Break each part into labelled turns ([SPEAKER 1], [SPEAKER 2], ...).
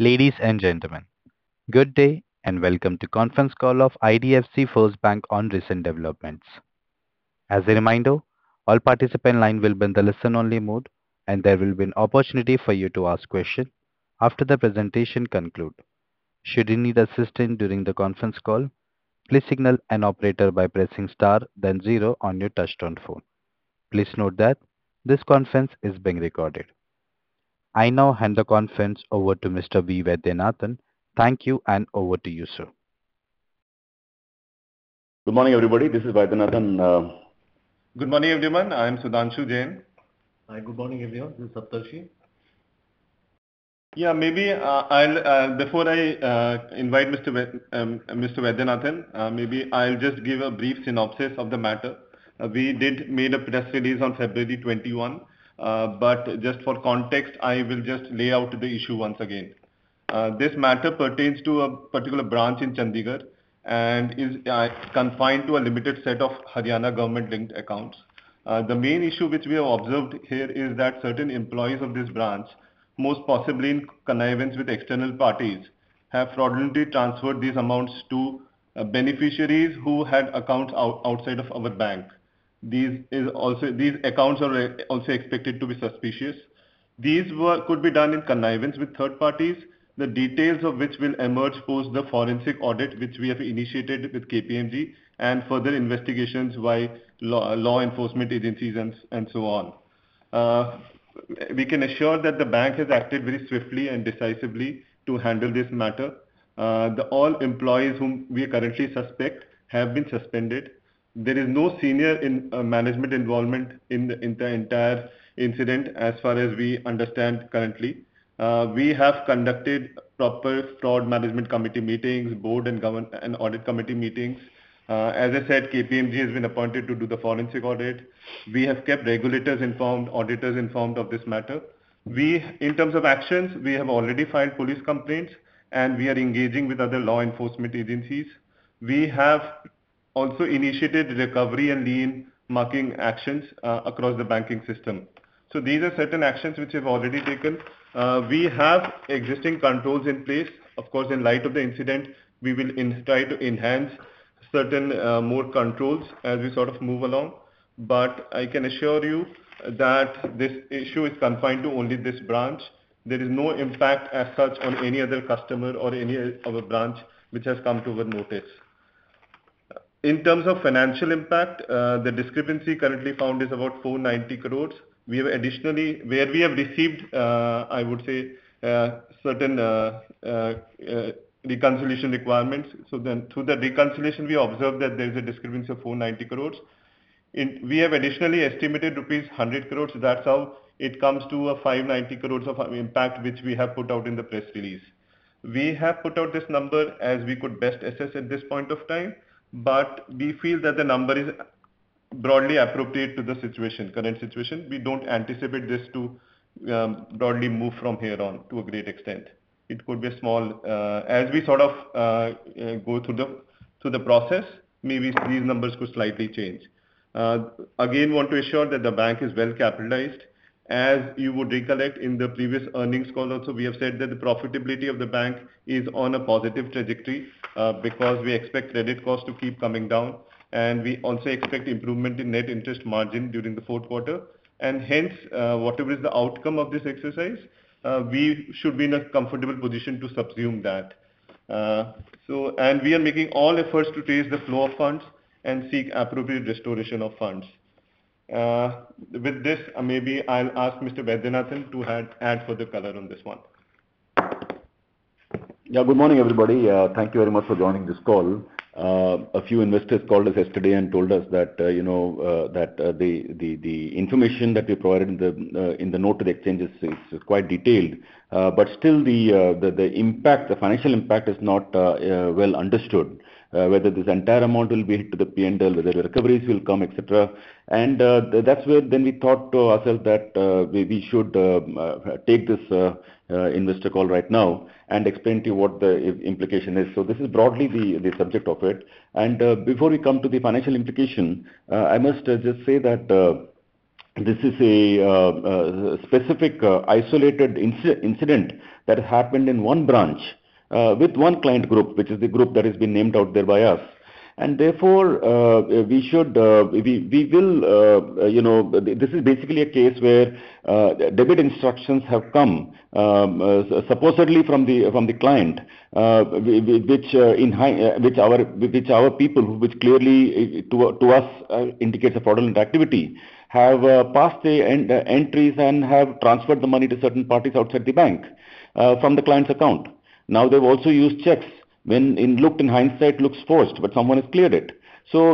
[SPEAKER 1] Ladies and gentlemen, good day. Welcome to the conference call of IDFC FIRST Bank on recent developments. As a reminder, all participant line will be in the listen-only mode. There will be an opportunity for you to ask questions after the presentation concludes. Should you need assistance during the conference call, please signal an operator by pressing star then zero on your touch-tone phone. Please note that this conference is being recorded. I now hand the conference over to Mr. V. Vaidyanathan. Thank you. Over to you, sir.
[SPEAKER 2] Good morning, everybody. This is Vaidyanathan.
[SPEAKER 3] Good morning, everyone. I am Sudhanshu Jain. Hi. Good morning, everyone. This is. [inaudible] Yeah, maybe, I'll, before I invite Mr. Vaidyanathan, maybe I'll just give a brief synopsis of the matter. We did make a press release on February 21. Just for context, I will just lay out the issue once again. This matter pertains to a particular branch in Chandigarh and is confined to a limited set of Haryana government-linked accounts. The main issue which we have observed here is that certain employees of this branch, most possibly in connivance with external parties, have fraudulently transferred these amounts to beneficiaries who had accounts outside of our bank. These accounts are also expected to be suspicious. These could been done in connivance with third parties, the details of which will emerge post the forensic audit, which we have initiated with KPMG, and further investigations by law enforcement agencies and so on. We can assure that the bank has acted very swiftly and decisively to handle this matter. All employees whom we currently suspect have been suspended. There is no senior management involvement in the, in the entire incident as far as we understand currently. We have conducted proper fraud management committee meetings, board, governance, and audit committee meetings. As I said, KPMG has been appointed to do the forensic audit. We have kept regulators informed, auditors informed of this matter. We, in terms of actions, we have already filed police complaints, and we are engaging with other law enforcement agencies. We have also initiated recovery and lien marking actions across the banking system. These are certain actions which we've already taken. We have existing controls in place. Of course, in light of the incident, we will try to enhance certain more controls as we sort of move along. I can assure you that this issue is confined to only this branch. There is no impact as such on any other customer or any other branch which has come to our notice. In terms of financial impact, the discrepancy currently found is about 490 crore. We have additionally, where we have received certain reconciliation requirements. Through the reconciliation, we observed that there is a discrepancy of 490 crore. We have additionally estimated rupees 100 crore. That's how it comes to an 590 crore of an impact, which we have put out in the press release. We have put out this number as we could best assess at this point of time, but we feel that the number is broadly appropriate to the situation, current situation. We don't anticipate this to broadly move from here on to a great extent. It could be small. As we sort of go through the, through the process, maybe these numbers could slightly change. Again, want to assure that the bank is well capitalized. As you would recollect in the previous earnings call also, we have said that the profitability of the bank is on a positive trajectory, because we expect credit costs to keep coming down, and we also expect improvement in net interest margin during the fourth quarter. Hence, whatever is the outcome of this exercise, we should be in a comfortable position to subsume that. We are making all efforts to trace the flow of funds and seek appropriate restoration of funds. With this, maybe I'll ask Mr. Vaidyanathan to add, add further color on this one.
[SPEAKER 2] Yeah. Good morning, everybody. Thank you very much for joining this call. A few investors called us yesterday and told us that, you know, that the information that we provided in the note to the exchanges is quite detailed, but still the impact, the financial impact is not well understood, whether this entire amount will be hit to the P&L, whether the recoveries will come, et cetera. That's where then we thought to ourselves that we should take this investor call right now and explain to you what the im- implication is. This is broadly the subject of it. Before we come to the financial implication, I must just say that this is a specific, isolated incident that happened in one branch, with one client group, which is the group that has been named out there by us. Therefore, we should, we will, you know, this is basically a case where debit instructions have come, supposedly from the, from the client, which our, which our people, which clearly to, to us, indicates a fraudulent activity, have passed the entries and have transferred the money to certain parties outside the bank, from the client's account. They've also used checks when in looked, in hindsight, looks forced, but someone has cleared it.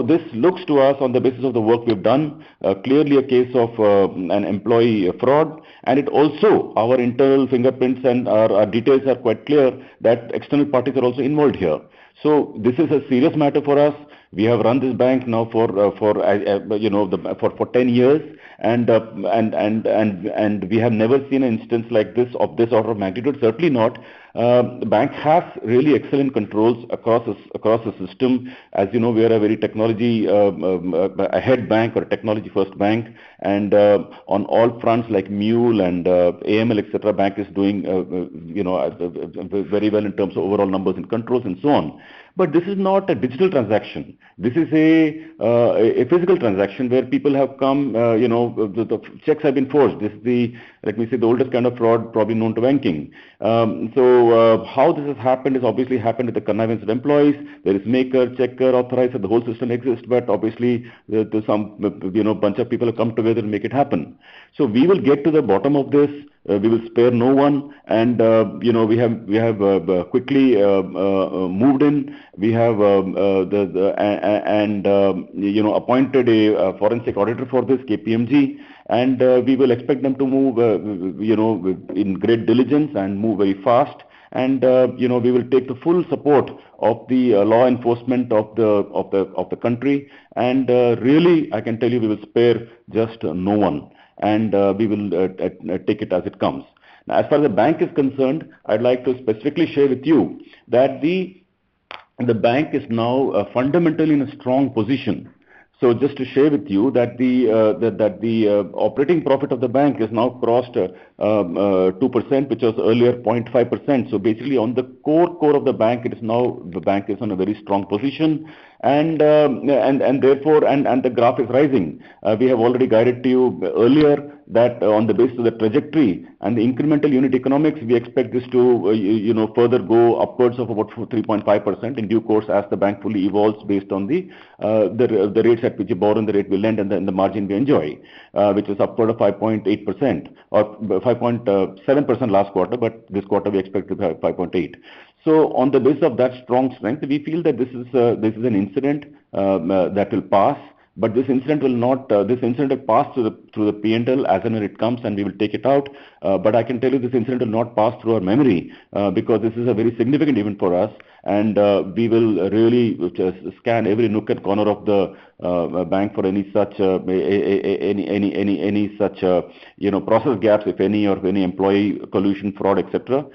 [SPEAKER 2] This looks to us, on the basis of the work we've done, clearly a case of an employee fraud, and it also, our internal fingerprints and our, our details are quite clear that external parties are also involved here. This is a serious matter for us. We have run this bank now for, for, you know, the, for, for 10 years, and we have never seen an instance like this, of this order of magnitude, certainly not. The bank has really excellent controls across the, across the system. As you know, we are a very technology ahead bank or technology-first bank, and on all fronts, like mule and AML, et cetera, bank is doing, you know, very well in terms of overall numbers and controls and so on. This is not a digital transaction. This is a physical transaction where people have come, you know, the, the checks have been forged. This is the, let me say, the oldest kind of fraud probably known to banking. So, how this has happened is obviously happened with the connivance of employees. There is maker, checker, authorizer, the whole system exists, but obviously there's some, you know, bunch of people have come together to make it happen. We will get to the bottom of this. We will spare no one. You know, we have, we have quickly moved in. We have, you know, appointed a forensic auditor for this, KPMG, and we will expect them to move, you know, in great diligence and move very fast. You know, we will take the full support of the law enforcement of the, of the, of the country. Really, I can tell you, we will spare just no one, and, we will, take it as it comes. Now, as far as the bank is concerned, I'd like to specifically share with you that we, the bank, is now fundamentally in a strong position. Just to share with you that the, that, that the operating profit of the bank has now crossed 2%, which was earlier 0.5%. Basically, on the core, core of the bank, it is now, the bank is in a very strong position and, and, and therefore, and, and the graph is rising. Uh, we have already guided to you earlier that on the basis of the trajectory and the incremental unit economics, we expect this to, you know, further go upwards of about three point five percent in due course, as the bank fully evolves based on the, uh, the, the rates at which you borrow, and the rate we lend, and then the margin we enjoy, uh, which is upward of five point eight percent or five point, uh, seven percent last quarter, but this quarter we expect to have five point eight. So on the basis of that strong strength, we feel that this is, uh, this is an incident, um, uh, that will pass, but this incident will not, uh, this incident will pass through the, through the P&L as and when it comes, and we will take it out. But I can tell you this incident will not pass through our memory, because this is a very significant event for us, and we will really just scan every nook and corner of the bank for any such, you know, process gaps, if any, or any employee collusion, fraud, et cetera.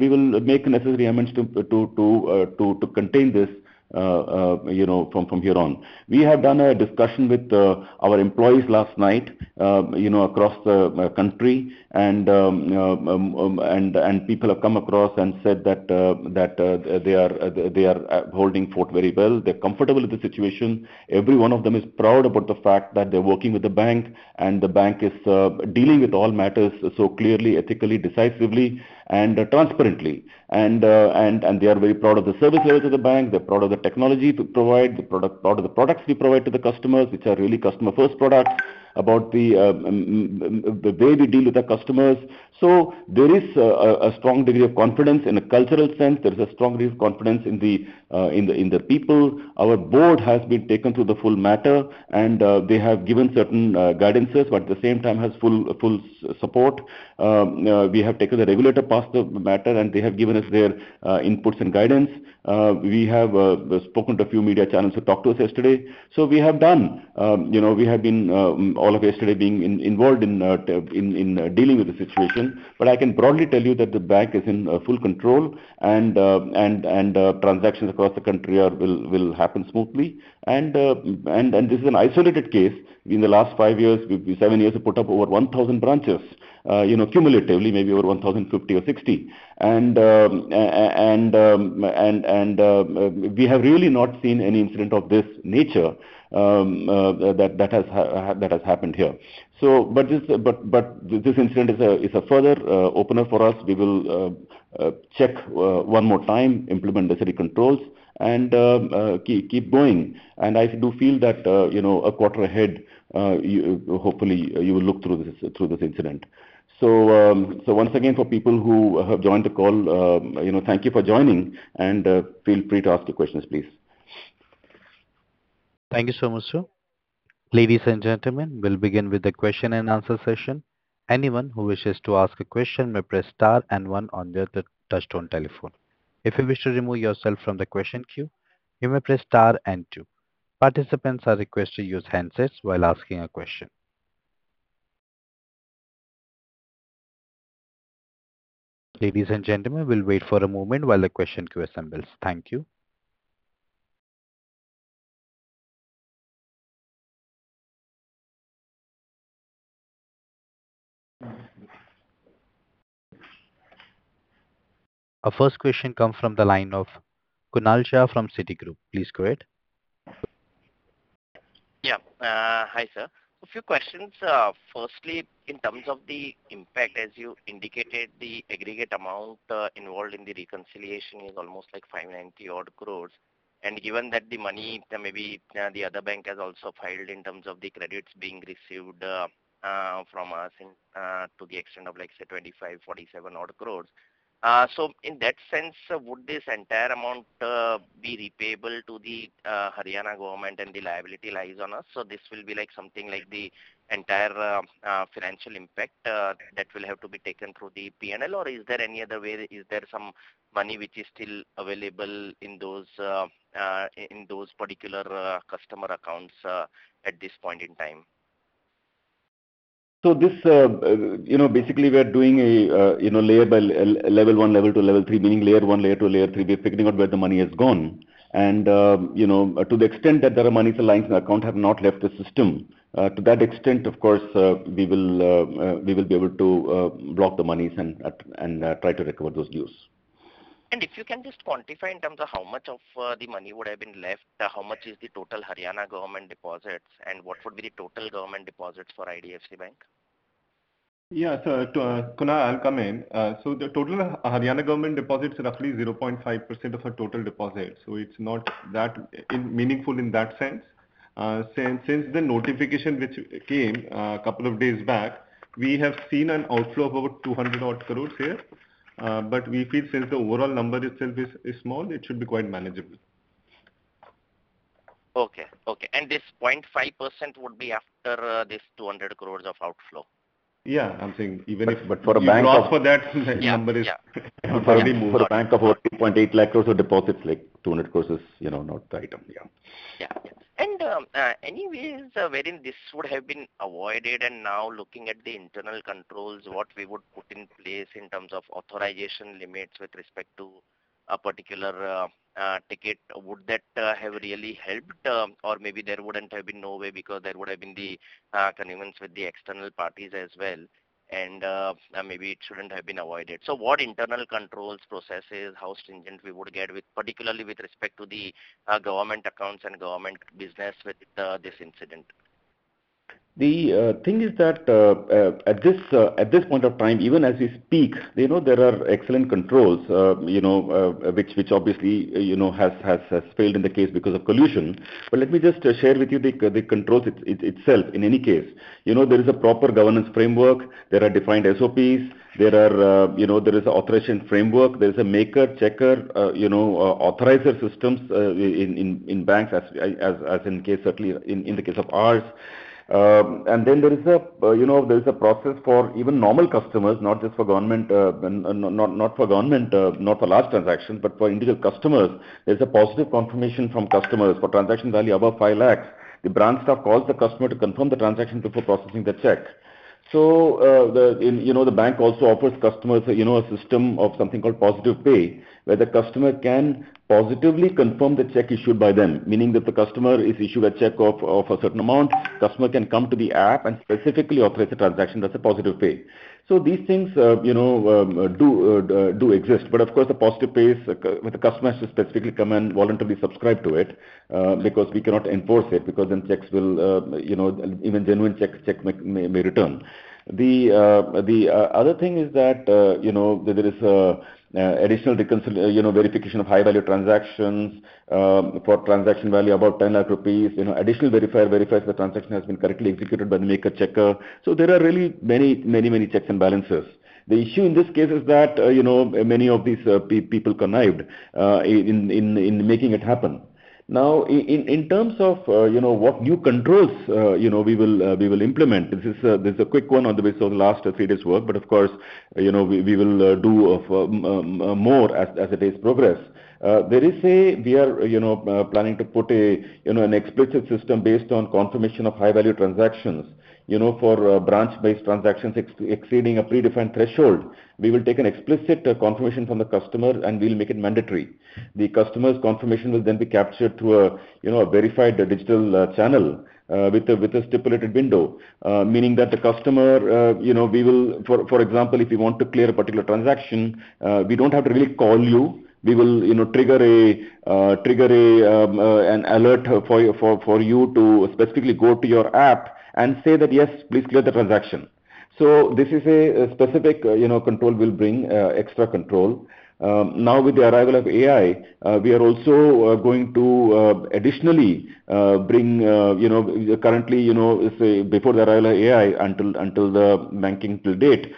[SPEAKER 2] We will make the necessary amendments to, to, to, to, to contain this, you know, from, from here on. We have done a discussion with our employees last night, you know, across the country. People have come across and said that, that, they are, they are holding fort very well. They're comfortable with the situation. Every one of them is proud about the fact that they're working with the bank, and the bank is dealing with all matters so clearly, ethically, decisively, and transparently. They are very proud of the service levels of the bank. They're proud of the technology we provide, the product, proud of the products we provide to the customers, which are really customer-first products, about the, the way we deal with the customers. There is a strong degree of confidence in a cultural sense. There is a strong degree of confidence in the, in the people. Our board has been taken through the full matter, and they have given certain guidances, but at the same time has full, full support. We have taken the regulator past the matter, and they have given us their inputs and guidance. We have spoken to a few media channels who talked to us yesterday. We have done, you know, we have been all of yesterday being in-involved in dealing with the situation. I can broadly tell you that the bank is in full control, and transactions across the country are, will happen smoothly. This is an isolated case. In the last five years, seven years, we put up over 1,000 branches, you know, cumulatively, maybe over 1,050 or 60. We have really not seen any incident of this nature, that, that has, that has happened here. But this, but, but this incident is a, is a further, opener for us. We will, check one more time, implement necessary controls, and, keep going. I do feel that, you know, a quarter ahead, you, hopefully, you will look through this, through this incident. Once again, for people who have joined the call, you know, thank you for joining, and, feel free to ask the questions, please.
[SPEAKER 1] Thank you so much, sir. Ladies and gentlemen, we'll begin with the question and answer session. Anyone who wishes to ask a question may press star and one on your touchtone telephone. If you wish to remove yourself from the question queue, you may press star and two. Participants are requested to use handsets while asking a question. Ladies and gentlemen, we'll wait for a moment while the question queue assembles. Thank you. Our first question comes from the line of Kunal Shah from Citigroup. Please go ahead.
[SPEAKER 4] Yeah. Hi, sir. A few questions. Firstly, in terms of the impact, as you indicated, the aggregate amount involved in the reconciliation is almost like 590 odd crore. Given that the money, maybe, the other bank has also filed in terms of the credits being received from us to the extent of, like, say, 2,547 odd crore. So in that sense, would this entire amount be repayable to the Haryana government and the liability lies on us? So this will be like something like the entire financial impact that will have to be taken through the P&L, or is there any other way? Is there some money which is still available in those in those particular customer accounts at this point in time?
[SPEAKER 2] This, you know, basically we are doing a, you know, layer by level 1, level 2, level 3, meaning layer 1, layer 2, layer 3. We're figuring out where the money has gone. You know, to the extent that there are monies lying in the account have not left the system, to that extent, of course, we will, we will be able to, block the monies and try to recover those dues.
[SPEAKER 4] If you can just quantify in terms of how much of the money would have been left, how much is the total Haryana government deposits, and what would be the total government deposits for IDFC Bank?
[SPEAKER 3] Yeah. To, Kunal, I'll come in. The total Haryana government deposits are roughly 0.5% of our total deposits, so it's not that meaningful in that sense. Since, since the notification, which came a couple of days back, we have seen an outflow of about 200 odd crore here, but we feel since the overall number itself is small, it should be quite manageable.
[SPEAKER 4] Okay. Okay. This 0.5% would be after, this 200 crore of outflow?
[SPEAKER 3] Yeah, I'm saying even if.
[SPEAKER 2] For a bank.
[SPEAKER 3] For that, the number is.
[SPEAKER 2] For a bank of about 280,000 crore of deposits, like, 200 crore is, you know, not the item. Yeah.
[SPEAKER 4] Yeah. Any ways wherein this would have been avoided and now looking at the internal controls, what we would put in place in terms of authorization limits with respect to a particular ticket, would that have really helped? or maybe there wouldn't have been any way because there would have been the connivance with the external parties as well, and maybe it shouldn't have been avoided. what internal controls, processes, how stringent we would get with, particularly with respect to the government accounts and government business with this incident?
[SPEAKER 2] The thing is that at this point of time, even as we speak, you know, there are excellent controls, you know, which, which obviously, you know, has, has, has failed in the case because of collusion. Let me just share with you the, the controls itself in any case. You know, there is a proper governance framework. There are defined SOPs. There are, you know, there is an authorization framework. There is a maker, checker, you know, authorizer systems in banks as in case, certainly in the case of ours. There is a, you know, there is a process for even normal customers, not just for government, not for large transactions, but for individual customers, there's a positive confirmation from customers. For transaction value above 5 lakh, the branch staff calls the customer to confirm the transaction before processing the check. The, you know, the bank also offers customers a, you know, a system of something called Positive Pay, where the customer can positively confirm the check issued by them, meaning that the customer is issued a check of a certain amount, customer can come to the app and specifically operate the transaction. That's a Positive Pay. These things, you know, do exist. Of course, the Positive Pay, with the customer has to specifically come and voluntarily subscribe to it, because we cannot enforce it, because then checks will, you know, even genuine check, check may, may return. The other thing is that, you know, there is a additional, you know, verification of high-value transactions, for transaction value about 10 lakh rupees. You know, additional verifier verifies the transaction has been correctly executed by the maker, checker. There are really many, many, many checks and balances. The issue in this case is that, you know, many of these people connived in, in, in making it happen. Now, in terms of, you know, what new controls, you know, we will, we will implement, this is, there's a quick one on the basis of the last 3 days' work. Of course, you know, we will do more as the days progress. We are, you know, planning to put an explicit system based on confirmation of high-value transactions. You know, for branch-based transactions exceeding a predefined threshold, we will take an explicit confirmation from the customer, and we will make it mandatory. The customer's confirmation will then be captured through a, you know, a verified digital channel, with a stipulated window. Meaning that the customer, you know, we will-- for, for example, if you want to clear a particular transaction, we don't have to really call you. We will, you know, trigger a, trigger a, an alert for you, for, for you to specifically go to your app and say that, "Yes, please clear the transaction." So this is a, specific, you know, control we'll bring, extra control. Now, with the arrival of AI, we are also going to additionally bring, you know, currently, you know, if a, before the arrival of AI, until, until the banking till date,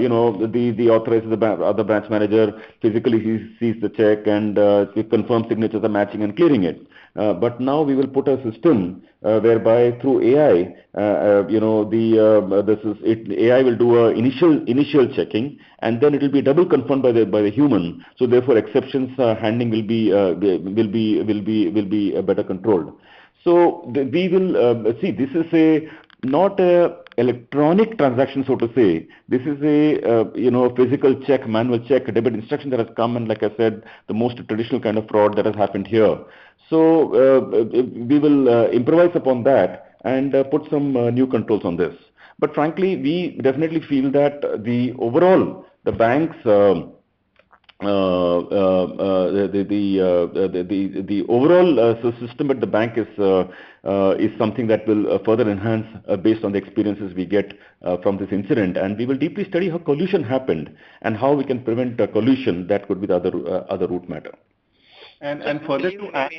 [SPEAKER 2] you know, the, the authorizer, the ba- the branch manager, physically, he sees the check and, he confirms signatures are matching and clearing it. But now we will put a system whereby through AI, you know, this is AI will do an initial, initial checking, and then it will be double confirmed by the human. So therefore, exceptions handling will be, will be, will be, will be better controlled. So we will. See, this is not an electronic transaction, so to say, this is, you know, a physical check, manual check, a debit instruction that has come, and like I said, the most traditional kind of fraud that has happened here. So we will improvise upon that and put some new controls on this. Frankly, we definitely feel that the overall, the bank's overall system at the bank is something that will further enhance based on the experiences we get from this incident. We will deeply study how collusion happened and how we can prevent a collusion that could be the other other root matter.
[SPEAKER 3] Further to add,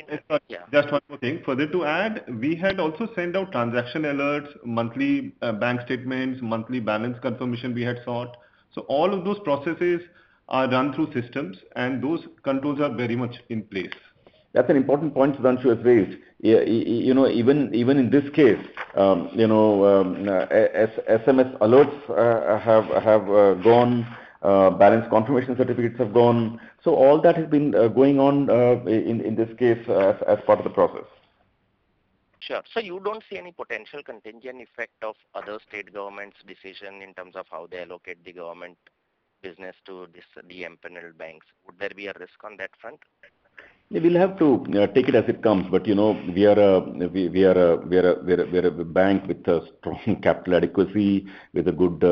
[SPEAKER 3] just one more thing. Further to add, we had also sent out transaction alerts, monthly bank statements, monthly balance confirmation we had sought. All of those processes are done through systems, and those controls are very much in place.
[SPEAKER 2] That's an important point Sudhanshu has raised. Yeah, you know, even, even in this case, you know, SMS alerts have, have gone, balance confirmation certificates have gone. All that has been going on in this case as part of the process.
[SPEAKER 4] Sure. You don't see any potential contingent effect of other state governments' decision in terms of how they allocate the government business to this, the empanelled banks? Would there be a risk on that front?
[SPEAKER 2] We will have to take it as it comes, but, you know, we are a bank with a strong capital adequacy, with a good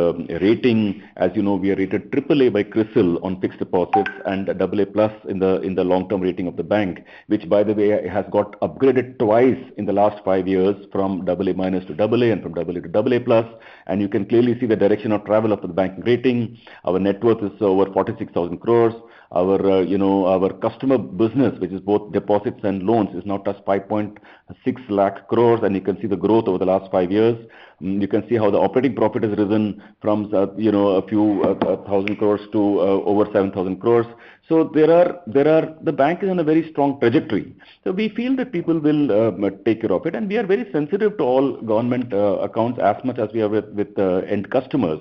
[SPEAKER 2] rating. As you know, we are rated AAA by CRISIL on fixed deposits and AA+ in the long-term rating of the bank, which, by the way, has got upgraded twice in the last five years from AA- to AA and from AA to AA+. You can clearly see the direction of travel of the bank rating. Our net worth is over 46,000 crore. Our, you know, our customer business, which is both deposits and loans, is now at 560,000 crore, and you can see the growth over the last 5 years. You can see how the operating profit has risen from, you know, a few thousand crore to over 7,000 crore. The bank is on a very strong trajectory. We feel that people will take care of it, and we are very sensitive to all government accounts as much as we are with, with end customers.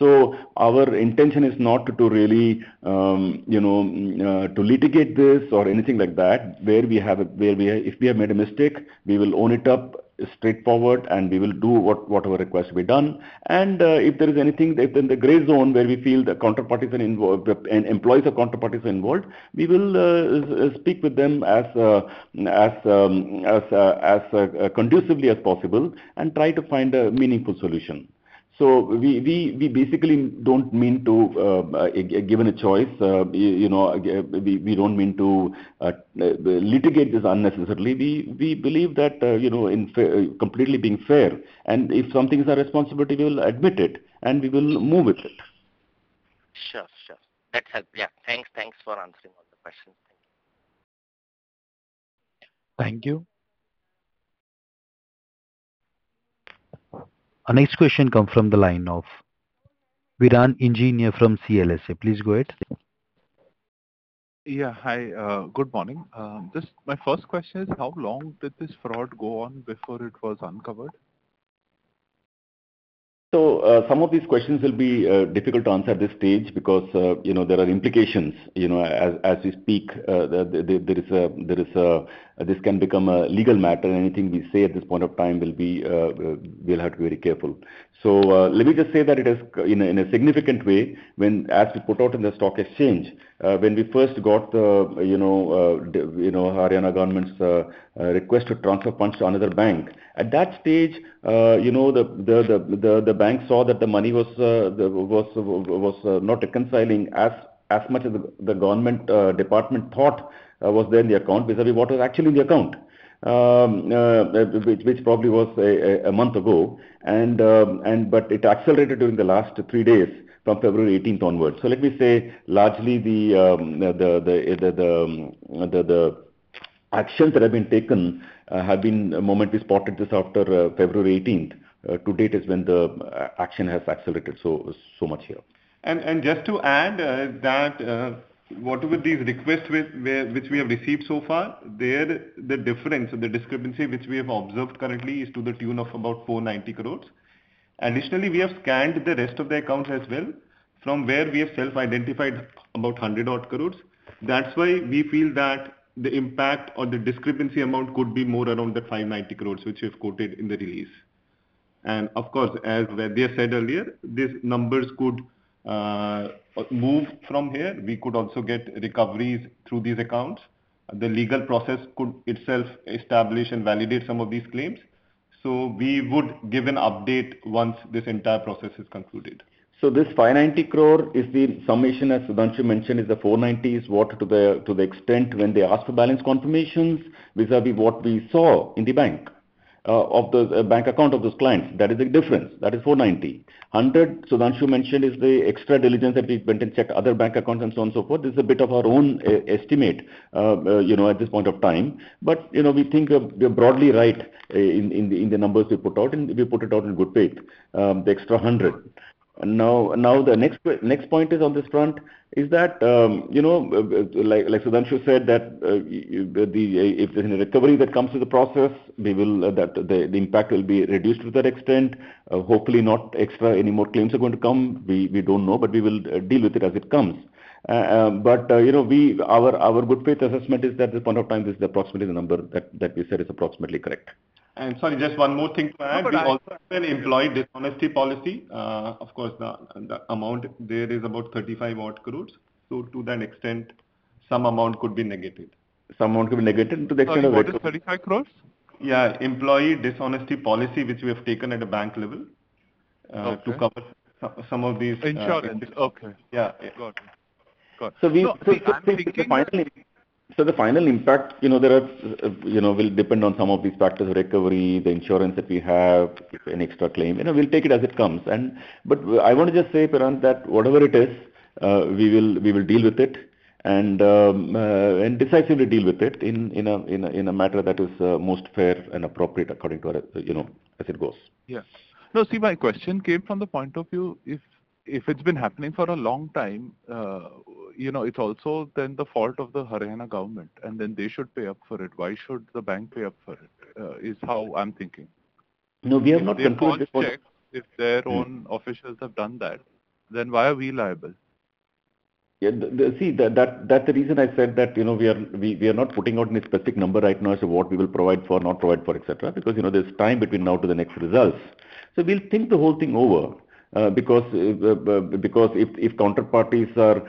[SPEAKER 2] Our intention is not to really, you know, to litigate this or anything like that. If we have made a mistake, we will own it up straightforward, and we will do what, whatever requests to be done. If there is anything in the gray zone where we feel the counterparty been involved, and employees or counterparties are involved, we will speak with them as as as as conducively as possible and try to find a meaningful solution. We, we, we basically don't mean to given a choice, you know, we, we don't mean to litigate this unnecessarily. We, we believe that, you know, in fair, completely being fair, and if something is our responsibility, we will admit it, and we will move with it.
[SPEAKER 4] Sure. Sure. That helps. Yeah. Thanks, thanks for answering all the questions.
[SPEAKER 1] Thank you. Our next question comes from the line of Piran Engineer from CLSA. Please go ahead.
[SPEAKER 5] Yeah. Hi, good morning. Just my first question is, how long did this fraud go on before it was uncovered?
[SPEAKER 2] Some of these questions will be difficult to answer at this stage because, you know, there are implications, you know, as, as we speak, there, there is a, there is a, this can become a legal matter, and anything we say at this point of time will be, we'll have to be very careful. Let me just say that it is in a, in a significant way, when, as we put out in the stock exchange, when we first got the, you know, the, you know, Haryana government's request to transfer funds to another bank. At that stage, you know, the bank saw that the money was not reconciling as much as the government, department thought, was there in the account vis-à-vis what was actually in the account. Which, which probably was a month ago, and, but it accelerated during the last three days, from February eighteenth onwards. Let me say, largely, the actions that have been taken, have been the moment we spotted this after, February eighteenth. To date, is when the action has accelerated so, so much here.
[SPEAKER 3] Just to add that whatever these requests which, where, which we have received so far, there the difference or the discrepancy, which we have observed currently is to the tune of about 490 crore. Additionally, we have scanned the rest of the accounts as well, from where we have self-identified about 100 crore. That's why we feel that the impact or the discrepancy amount could be more around the 590 crore, which we've quoted in the release. Of course, as Vaidya said earlier, these numbers could move from here. We could also get recoveries through these accounts. The legal process could itself establish and validate some of these claims. We would give an update once this entire process is concluded.
[SPEAKER 2] This 590 crore is the summation, as Sudhanshu mentioned, is the 490 crore, is what to the, to the extent when they ask for balance confirmations vis-à-vis what we saw in the bank, of the bank account of those clients. That is the difference. That is 490 crore. 100 crore, Sudhanshu mentioned, is the extra diligence that we've went and checked other bank accounts and so on and so forth. This is a bit of our own e-estimate, you know, at this point of time. But, you know, we think we're broadly right i, in the, in the numbers we put out, and we put it out in good faith, the extra 100 crore. Now, now, the next, next point is on this front is that, you know, like, like Sudhanshu Jain said, that, the, if there's any recovery that comes to the process, we will, that the impact will be reduced to that extent. Hopefully, not extra any more claims are going to come. We, we don't know, but we will deal with it as it comes. But, you know, we, our, our good faith assessment is that this point of time, this is approximately the number that, that we said is approximately correct.
[SPEAKER 3] Sorry, just one more thing to add.
[SPEAKER 2] No problem.
[SPEAKER 3] We also have an employee dishonesty policy. Of course, the amount there is about 35 odd crore, so to that extent, some amount could be negated.
[SPEAKER 2] Some amount could be negated to the extent of.
[SPEAKER 5] 35 crore?
[SPEAKER 3] Yeah, employee dishonesty policy, which we have taken at a bank level.
[SPEAKER 5] Okay.
[SPEAKER 3] To cover some, some of these,
[SPEAKER 5] Insurance. Okay.
[SPEAKER 3] Yeah.
[SPEAKER 5] Got it. Got it.
[SPEAKER 2] We, so, so the final, so the final impact, you know, there are, you know, will depend on some of these factors: recovery, the insurance that we have, any extra claim. You know, we'll take it as it comes. I want to just say, Piran, that whatever it is, we will, we will deal with it. Decisively deal with it in, in a, in a, in a matter that is most fair and appropriate according to our, you know, as it goes.
[SPEAKER 5] Yes. No, see, my question came from the point of view, if, if it's been happening for a long time, you know, it's also then the fault of the Haryana government, and then they should pay up for it. Why should the bank pay up for it? Is how I'm thinking.
[SPEAKER 2] No, we have not concluded what.
[SPEAKER 5] If their own officials have done that, then why are we liable?
[SPEAKER 2] Yeah. See, that's the reason I said that, you know, we are not putting out any specific number right now as to what we will provide for, not provide for, et cetera, because, you know, there's time between now to the next results. We'll think the whole thing over because if counterparties are,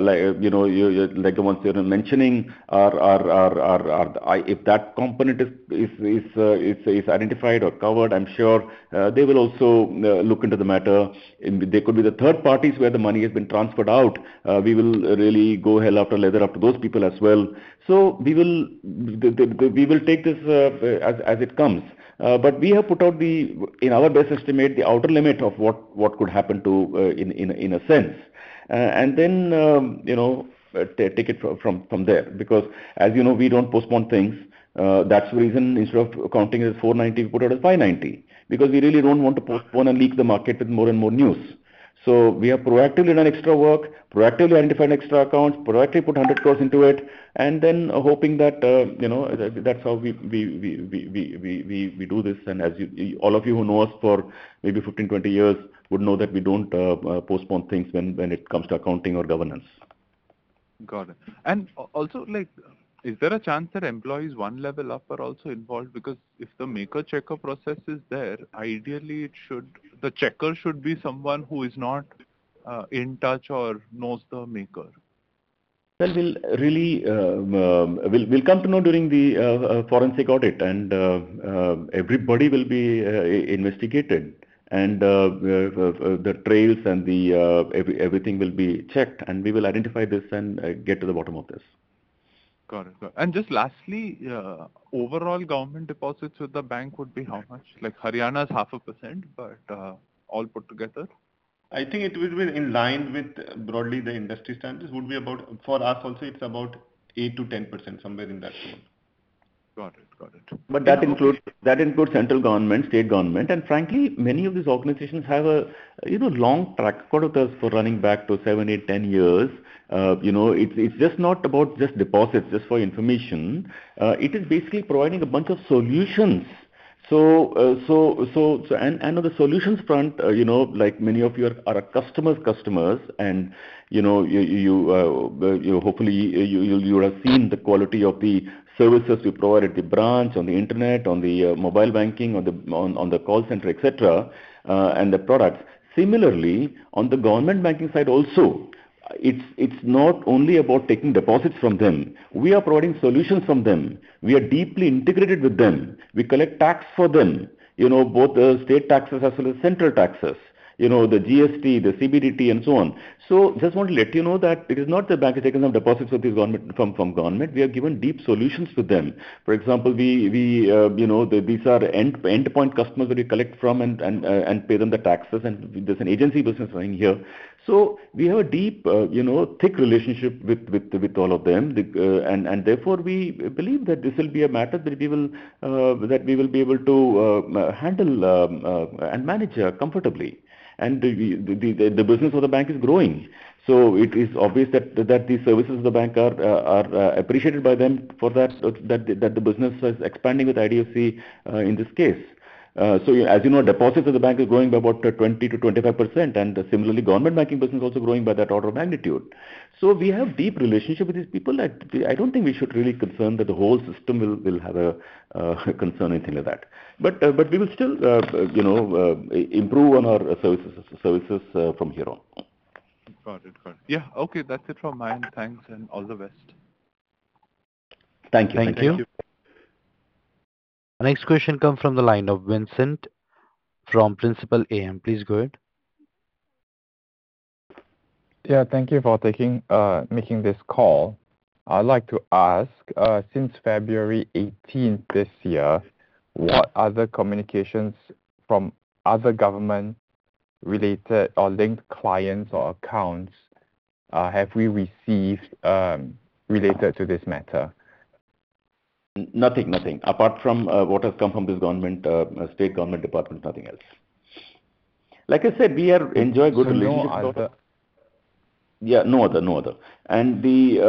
[SPEAKER 2] like, you know, you, like the ones you are mentioning, are, If that component is identified or covered, I'm sure, they will also look into the matter. There could be the third parties where the money has been transferred out. We will really go hell or leather up to those people as well. We will take this as it comes. We have put out the, in our best estimate, the outer limit of what, what could happen to, in, in, in a sense, and then, you know, take it from, from there. As you know, we don't postpone things. That's the reason instead of accounting as 490, we put it as 590, because we really don't want to postpone and leak the market with more and more news. We have proactively done extra work, proactively identified extra accounts, proactively put 100 crore into it, and then hoping that, you know, that's how we, we, we, we, we, we, we, we do this. As you, all of you who know us for maybe 15, 20 years, would know that we don't postpone things when, when it comes to accounting or governance.
[SPEAKER 5] Got it. Also, like, is there a chance that employees one level up are also involved? If the maker-checker process is there, ideally, the checker should be someone who is not in touch or knows the maker.
[SPEAKER 2] Well, we'll really come to know during the forensic audit, and everybody will be investigated, and the trails and everything will be checked, and we will identify this and get to the bottom of this.
[SPEAKER 5] Got it. Just lastly, overall government deposits with the bank would be how much? Like Haryana is 0.5%, all put together.
[SPEAKER 3] I think it will be in line with broadly the industry standards, would be about, for us also, it's about 8%-10%, somewhere in that range.
[SPEAKER 5] Got it. Got it.
[SPEAKER 2] That includes, that includes central government, state government, and frankly, many of these organizations have a, you know, long track record with us for running back to 7, 8, 10 years. You know, it's, it's just not about just deposits, just for your information. It is basically providing a bunch of solutions. On the solutions front, you know, like many of you are, are our customers' customers, and, you know, you, you, you hopefully, you, you, you have seen the quality of the services we provide at the branch, on the internet, on the mobile banking, on the call center, et cetera, and the products. Similarly, on the government banking side also, it's, it's not only about taking deposits from them. We are providing solutions from them. We are deeply integrated with them. We collect tax for them, you know, both the state taxes as well as central taxes, you know, the GST, the CBDT, and so on. Just want to let you know that it is not the bank is taking some deposits with the government, from, from government, we are giving deep solutions to them. For example, we, we, you know, these are end, end-point customers that we collect from and, and, and pay them the taxes, and there's an agency business running here. We have a deep, you know, thick relationship with, with, with all of them. The, and, and therefore, we believe that this will be a matter that we will, that we will be able to handle and manage comfortably. The, the, the, the business of the bank is growing, so it is obvious that, that the services of the bank are, are appreciated by them for that, that the, that the business is expanding with IDFC in this case. As you know, deposits of the bank is growing by about 20%-25%, and similarly, government banking business is also growing by that order of magnitude. We have deep relationship with these people, and I don't think we should really concern that the whole system will, will have a concern or anything like that. But we will still, you know, improve on our services, services from here on.
[SPEAKER 5] Got it. Got it. Yeah. Okay, that's it from my end. Thanks, and all the best.
[SPEAKER 2] Thank you.
[SPEAKER 3] Thank you.
[SPEAKER 1] Next question come from the line of Vincent from Principal AM. Please go ahead.
[SPEAKER 6] Yeah, thank you for taking, making this call. I'd like to ask, since February eighteenth this year, what other communications from other government related or linked clients or accounts, have we received, related to this matter?
[SPEAKER 2] Nothing, nothing. Apart from what has come from this government, state government department, nothing else. Like I said, we are enjoy good relations.
[SPEAKER 6] No other?
[SPEAKER 2] Yeah, no other, no other. The, and the,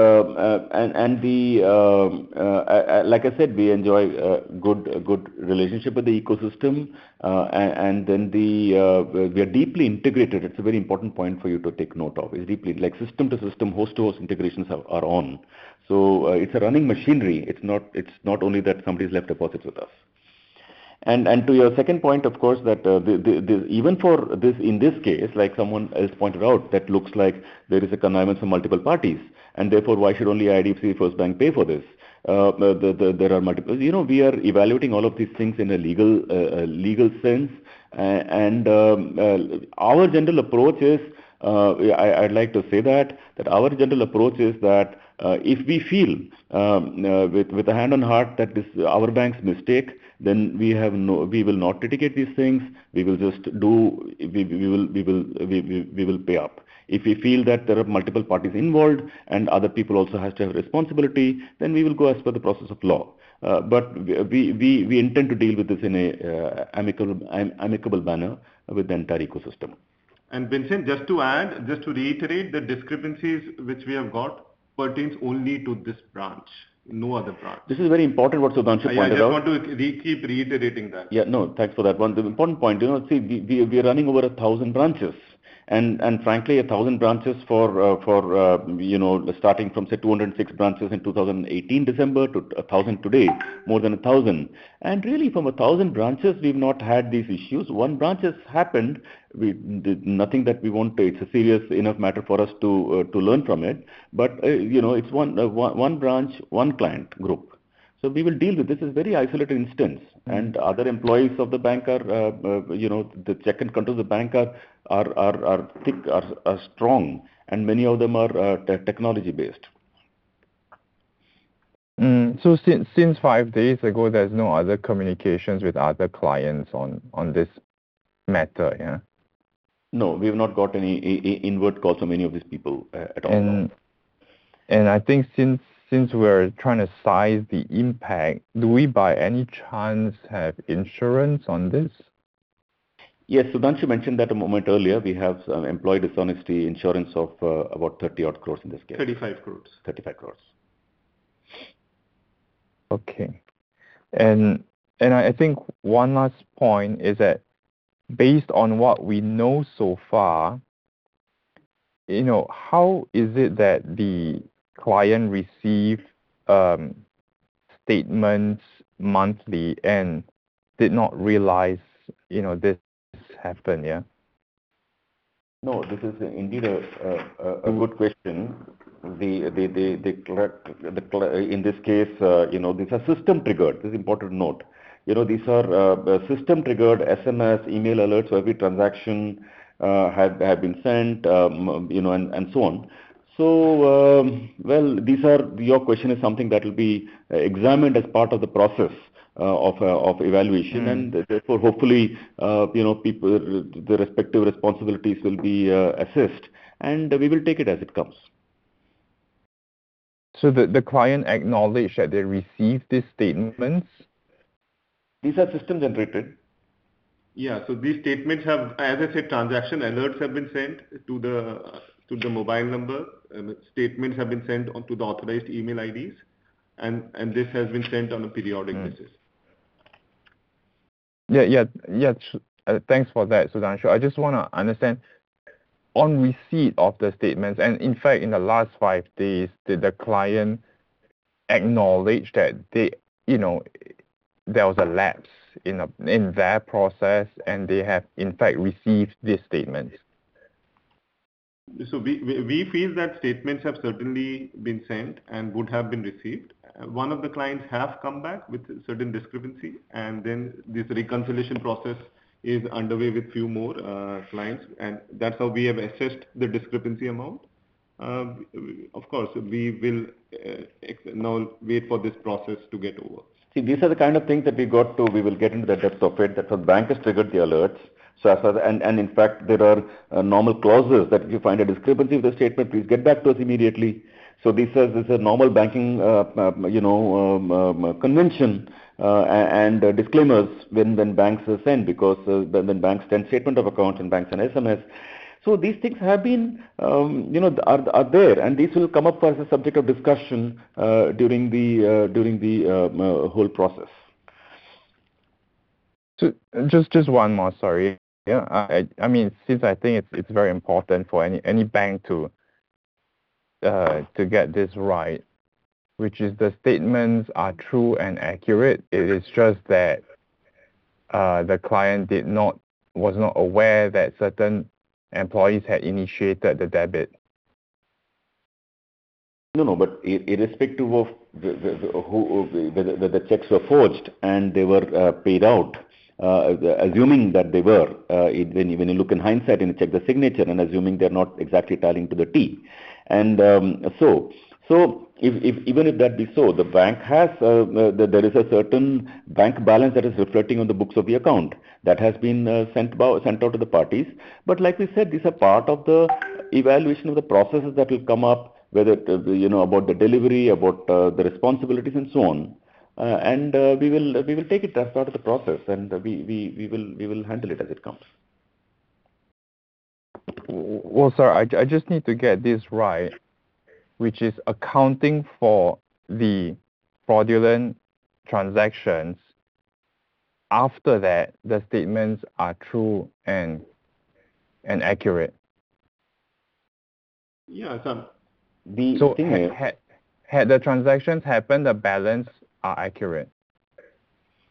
[SPEAKER 2] like I said, we enjoy a good, good relationship with the ecosystem, and then the, we are deeply integrated. It's a very important point for you to take note of. It's deeply. Like, system to system, host to host integrations are on. It's a running machinery. It's not only that somebody's left deposits with us. To your second point, of course, that the, the, the even for this, in this case, like someone else pointed out, that looks like there is a connivance of multiple parties, and therefore, why IDFC FIRST Bank pay for this? The, the, there are multiple. You know, we are evaluating all of these things in a legal, legal sense. Our general approach is, yeah, I'd like to say that our general approach is that if we feel with a hand on heart that this is our bank's mistake, then we will not litigate these things. We, we will, we will, we, we, we will pay up. If we feel that there are multiple parties involved and other people also has to have responsibility, then we will go as per the process of law. We, we, we intend to deal with this in a amicable, amicable manner with the entire ecosystem.
[SPEAKER 3] Vincent, just to add, just to reiterate, the discrepancies which we have got pertains only to this branch, no other branch.
[SPEAKER 2] This is very important what Sudhanshu pointed out.
[SPEAKER 3] I just want to re-keep reiterating that.
[SPEAKER 2] Yeah, no, thanks for that one. The important point, you know, we, we, we are running over 1,000 branches. frankly, 1,000 branches for, you know, starting from, say, 206 branches in 2018 December to 1,000 today, more than 1,000. really, from 1,000 branches, we've not had these issues. 1 branch has happened, we. Nothing that we won't pay. It's a serious enough matter for us to learn from it. you know, it's 1, 1, 1 branch, 1 client group. we will deal with this. This is very isolated instance, and other employees of the bank are, you know, the check and controls of the bank are, are, are, are thick, are, are strong, and many of them are tech- technology-based.
[SPEAKER 6] Mm. since five days ago, there's no other communications with other clients on this matter, yeah?
[SPEAKER 2] No, we've not got any inward calls from any of these people, at all.
[SPEAKER 6] I think since, since we're trying to size the impact, do we, by any chance, have insurance on this?
[SPEAKER 2] Yes. Sudhanshu mentioned that a moment earlier. We have some employee dishonesty insurance of 30 odd crore in this case.
[SPEAKER 3] 35 crore.
[SPEAKER 2] 35 crore.
[SPEAKER 6] Okay. And I, I think one last point is that based on what we know so far, you know, how is it that the client received statements monthly and did not realize, you know, this happened, yeah?
[SPEAKER 2] No, this is indeed a good question. In this case, you know, these are system-triggered. This is important to note. You know, these are system-triggered SMS, email alerts, where every transaction have been sent, you know, and so on. Well, your question is something that will be examined as part of the process of evaluation. Therefore, hopefully, you know, people, the respective responsibilities will be, assessed, and we will take it as it comes.
[SPEAKER 6] The, the client acknowledged that they received these statements?
[SPEAKER 2] These are system-generated.
[SPEAKER 3] Yeah. As I said, transaction alerts have been sent to the mobile number, and statements have been sent on to the authorized email IDs, and this has been sent on a periodic basis.
[SPEAKER 6] Right. Yeah, yeah. Yeah, thanks for that, Sudhanshu. I just wanna understand, on receipt of the statements, and in fact, in the last five days, did the client acknowledge that they, you know, there was a lapse in a- in their process, and they have, in fact, received these statements?
[SPEAKER 3] We, we, we feel that statements have certainly been sent and would have been received. One of the clients have come back with certain discrepancy, and then this reconciliation process is underway with few more clients, and that's how we have assessed the discrepancy amount. Of course, we will now wait for this process to get over.
[SPEAKER 2] See, these are the kind of things that we got to, we will get into the depths of it, that the bank has triggered the alerts. As I... And, and in fact, there are normal clauses that if you find a discrepancy with the statement, please get back to us immediately. This is, this is normal banking, you know, convention, and, and disclaimers when, when banks are sent, because, when, when banks send statement of accounts and banks send SMS. These things have been, you know, are, are there, and these will come up as a subject of discussion during the during the whole process.
[SPEAKER 6] Just, just one more, sorry. Yeah, I mean, since I think it's very important for any, any bank to get this right, which is the statements are true and accurate, it is just that the client was not aware that certain employees had initiated the debit.
[SPEAKER 2] No, no, irrespective of the, the, the, who, whether the checks were forged and they were paid out, assuming that they were, when, when you look in hindsight and check the signature and assuming they're not exactly tied in to the T. So, so if, if, even if that be so, the bank has, the, there is a certain bank balance that is reflecting on the books of the account that has been sent out to the parties. Like we said, these are part of the evaluation of the processes that will come up, whether, you know, about the delivery, about, the responsibilities, and so on. We will, we will take it as part of the process, and we, we, we will, we will handle it as it comes.
[SPEAKER 6] Well, sir, I just need to get this right, which is accounting for the fraudulent transactions, after that, the statements are true and accurate?
[SPEAKER 3] Yeah, sir. The statement.
[SPEAKER 6] Had the transactions happened, the balance are accurate?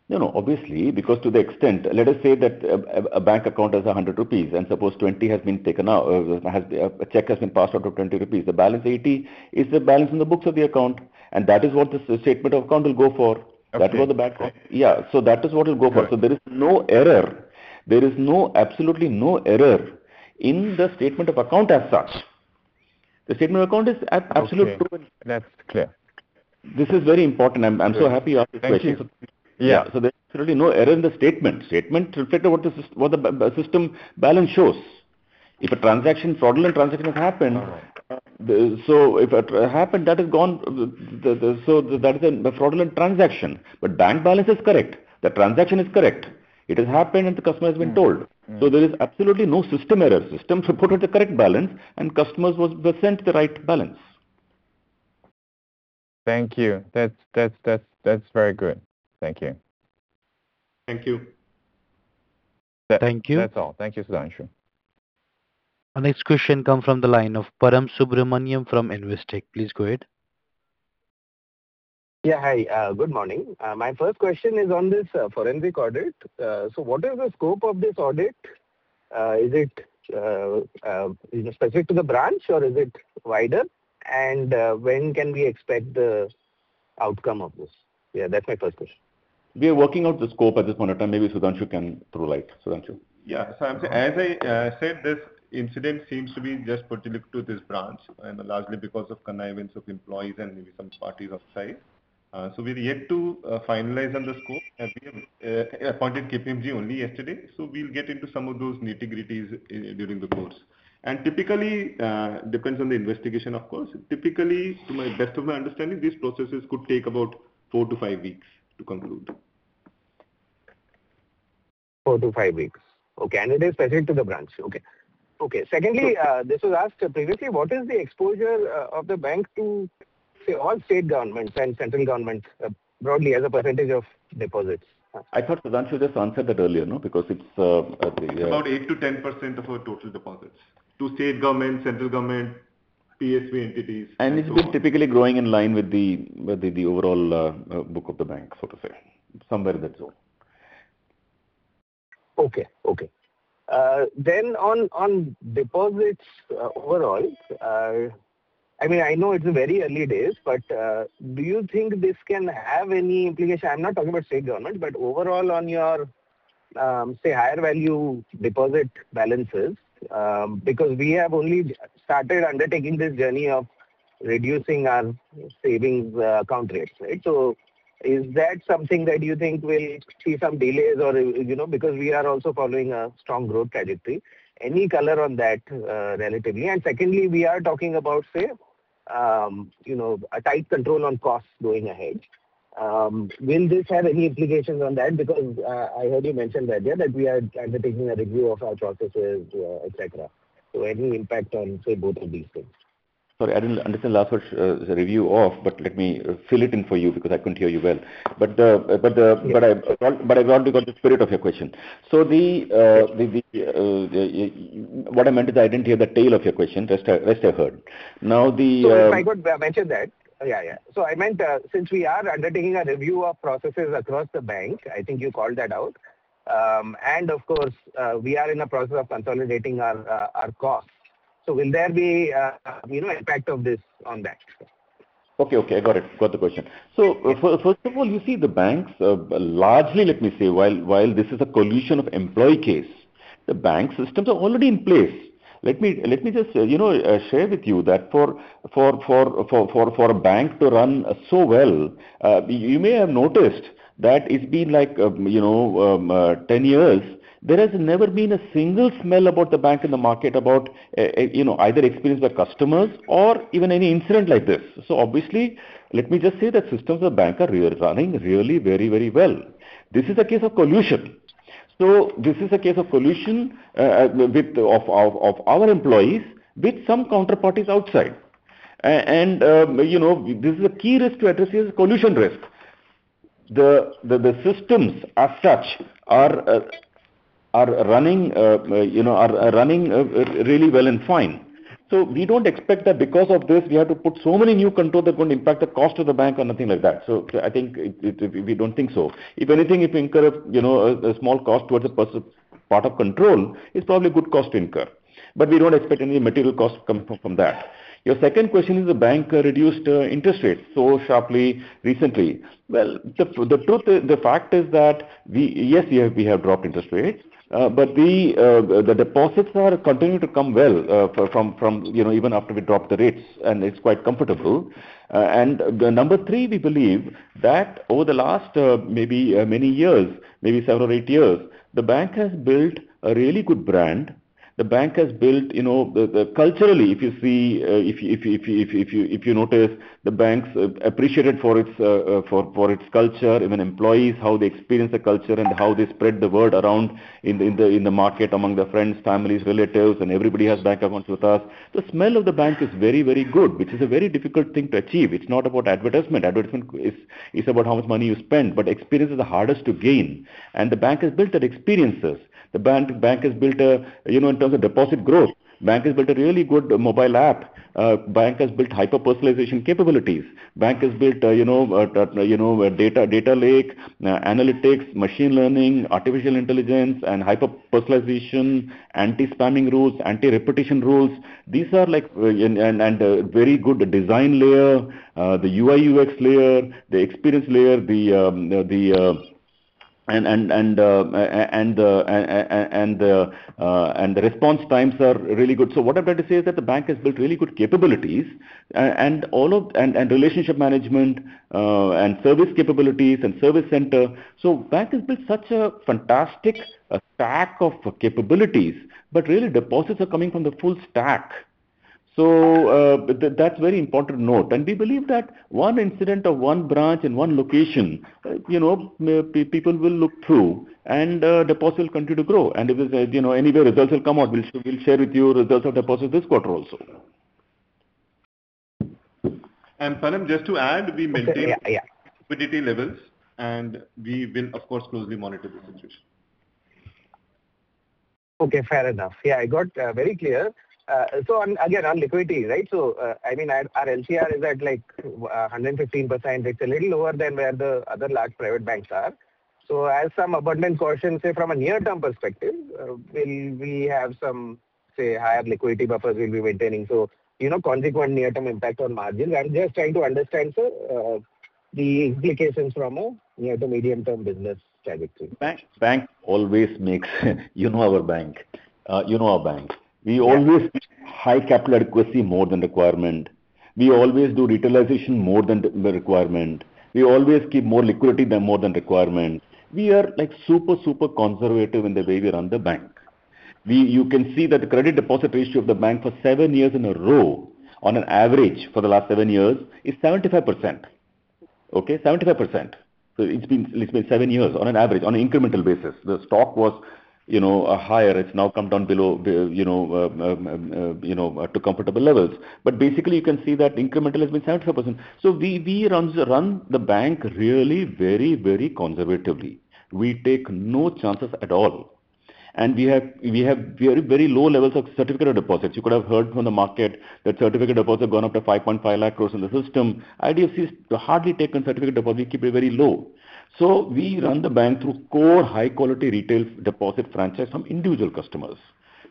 [SPEAKER 2] No, no, obviously, because to the extent. Let us say that a bank account has 100 rupees, and suppose 20 has been taken out, a check has been passed out to 20 rupees. The balance 80 is the balance in the books of the account, and that is what the statement of account will go for.
[SPEAKER 6] Okay.
[SPEAKER 2] That was the bank. Yeah. That is what will go for.
[SPEAKER 6] Right.
[SPEAKER 2] There is no error. There is no, absolutely no error in the statement of account as such. The statement account is at absolute true.
[SPEAKER 3] Okay, that's clear.
[SPEAKER 2] This is very important. I'm so happy you asked this question.
[SPEAKER 3] Thank you. Yeah.
[SPEAKER 2] There's absolutely no error in the statement. Statement reflect what the system balance shows. If a transaction, fraudulent transaction has happened.
[SPEAKER 3] All right.
[SPEAKER 2] If it happened, that is gone. That is a fraudulent transaction. Bank balance is correct. The transaction is correct. It has happened. The customer has been told. There is absolutely no system error. System reported the correct balance, and customers were sent the right balance.
[SPEAKER 3] Thank you. That's, that's, that's, that's very good. Thank you.
[SPEAKER 2] Thank you. Thank you.
[SPEAKER 3] That's all. Thank you, Sudhanshu.
[SPEAKER 1] Our next question come from the line of Param Subramanian from Investec. Please go ahead.
[SPEAKER 7] Yeah, hi. Good morning. My first question is on this forensic audit. What is the scope of this audit? Is it specific to the branch, or is it wider? When can we expect the outcome of this? Yeah, that's my first question.
[SPEAKER 2] We are working out the scope at this point in time. Maybe Sudhanshu can throw light. Sudhanshu?
[SPEAKER 3] Yeah. As I said, this incident seems to be just particular to this branch, and largely because of connivance of employees and maybe some parties outside. We're yet to finalize on the scope. We appointed KPMG only yesterday, so we'll get into some of those nitty-gritties in, during the course. Typically, depends on the investigation, of course. Typically, to my best of my understanding, these processes could take about four to five weeks to conclude.
[SPEAKER 7] Four to five weeks. Okay. It is specific to the branch? Okay. Okay. Secondly, this was asked previously, what is the exposure of the bank to, say, all state governments and central governments, broadly as a % of deposits?
[SPEAKER 2] I thought Sudhanshu just answered that earlier, no? Because it's, the.
[SPEAKER 3] About 8%-10% of our total deposits, to state government, central government, PSB entities.
[SPEAKER 2] It's been typically growing in line with the, with the, the overall book of the bank, so to say. Somewhere in that zone.
[SPEAKER 7] Okay. Okay. On, on deposits, overall, I mean, I know it's very early days, but, do you think this can have any implication? I'm not talking about state government, but overall on your, say, higher value deposit balances? Because we have only started undertaking this journey of reducing our savings, account rates. Right? Is that something that you think will see some delays or, you know, because we are also following a strong growth trajectory? Any color on that, relatively? Secondly, we are talking about, say, you know, a tight control on costs going ahead. Will this have any implications on that? Because I heard you mention earlier that we are undertaking a review of our processes, et cetera. Any impact on, say, both of these things?
[SPEAKER 2] Sorry, I didn't understand the last part, the review of, but let me fill it in for you because I couldn't hear you well. I got the spirit of your question. What I meant is I didn't hear the tail of your question, rest I heard.
[SPEAKER 7] If I could mention that. Yeah, yeah. I meant, since we are undertaking a review of processes across the bank, I think you called that out. And of course, we are in the process of consolidating our costs. Will there be a, you know, impact of this on that?
[SPEAKER 2] Okay, okay, I got it. Got the question. First of all, you see, the banks, largely, let me say, while, while this is a collusion of employee case, the bank systems are already in place. Let me, let me just, you know, share with you that for, for, for, for, for, for a bank to run so well, you may have noticed that it's been like, you know, 10 years, there has never been a single smell about the bank in the market, about, you know, either experienced by customers or even any incident like this. Obviously, let me just say that systems of bank are running really very, very well. This is a case of collusion. This is a case of collusion, with, of, of, of our employees with some counterparties outside. You know, this is a key risk to address is collusion risk. The, the, the systems as such are, are running, you know, are, are running, really well and fine. We don't expect that because of this, we have to put so many new controls that are going to impact the cost of the bank or nothing like that. I think it, it, we don't think so. If anything, if we incur a, you know, a, a small cost towards the perspe- part of control, it's probably a good cost to incur, but we don't expect any material costs coming from, from that. Your second question is, the bank reduced, interest rates so sharply recently. Well, the, the truth is, the fact is that we. Yes, we have, we have dropped interest rates, but the deposits are continuing to come well, from, from, you know, even after we dropped the rates, and it's quite comfortable. Number three, we believe that over the last, maybe, many years, maybe seven or eight years, the bank has built a really good brand. The bank has built, you know, Culturally, if you see, if you notice, the bank's appreciated for its, for its culture, even employees, how they experience the culture and how they spread the word around in the market, among their friends, families, relatives, and everybody has bank accounts with us. The smell of the bank is very, very good, which is a very difficult thing to achieve. It's not about advertisement. Advertisement is about how much money you spend, but experience is the hardest to gain. The bank has built that experiences. The bank has built, you know, in terms of deposit growth, bank has built a really good mobile app. Bank has built hyper-personalization capabilities. Bank has built, you know, you know, data, data lake, analytics, machine learning, artificial intelligence and hyper-personalization, anti-spamming rules, anti-repetition rules. These are like... Very good design layer, the UI/UX layer, the experience layer, and the response times are really good. What I'm trying to say is that the bank has built really good capabilities, relationship management, and service capabilities and service center. Bank has built such a fantastic stack of capabilities, but really deposits are coming from the full stack. That's very important to note. We believe that one incident of one branch in one location, you know, people will look through and deposit will continue to grow, and it was, as you know, anyway, results will come out. We'll share with you results of deposits this quarter also.
[SPEAKER 3] Palem, just to add, we maintain.
[SPEAKER 7] Yeah, yeah.
[SPEAKER 3] liquidity levels. We will, of course, closely monitor the situation.
[SPEAKER 7] Okay, fair enough. Yeah, I got very clear. Again, on liquidity, right? I mean, our, our LCR is at, like, 115%. It's a little lower than where the other large private banks are. As some abundant caution, say, from a near-term perspective, will we have some, say, higher liquidity buffers we'll be maintaining, so, you know, consequent near-term impact on margins? I'm just trying to understand, the implications from a near to medium-term business trajectory.
[SPEAKER 2] Bank, bank always makes you know our bank. You know our bank.
[SPEAKER 7] Yeah.
[SPEAKER 2] We always keep high capital adequacy more than requirement. We always do retailization more than the, the requirement. We always keep more liquidity than more than requirement. We are, like, super, super conservative in the way we run the bank. You can see that the credit deposit ratio of the bank for seven years in a row, on an average for the last seven years, is 75%. Okay? 75%. It's been, it's been seven years on an average, on an incremental basis. The stock was, you know, higher. It's now come down below, you know, you know, to comfortable levels. Basically, you can see that incremental has been 75%. We, we runs, run the bank really very, very conservatively. We take no chances at all, and we have, we have very, very low levels of certificates of deposit. You could have heard from the market that certificate of deposit have gone up to 550,000 crore in the system. IDFC has hardly taken certificate of deposit. We keep it very low. We run the bank through core high-quality retail deposit franchise from individual customers.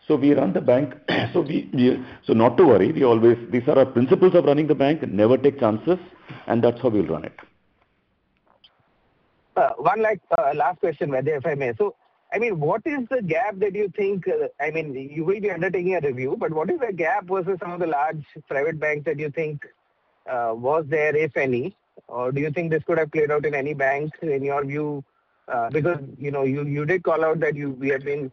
[SPEAKER 2] We run the bank. Not to worry, we always, these are our principles of running the bank: never take chances, and that's how we'll run it.
[SPEAKER 7] One last last question, Vaidya, if I may. I mean, what is the gap that you think, I mean, you will be undertaking a review, but what is the gap versus some of the large private banks that you think, was there, if any? Or do you think this could have played out in any bank, in your view? You know, you, you did call out that you, we have been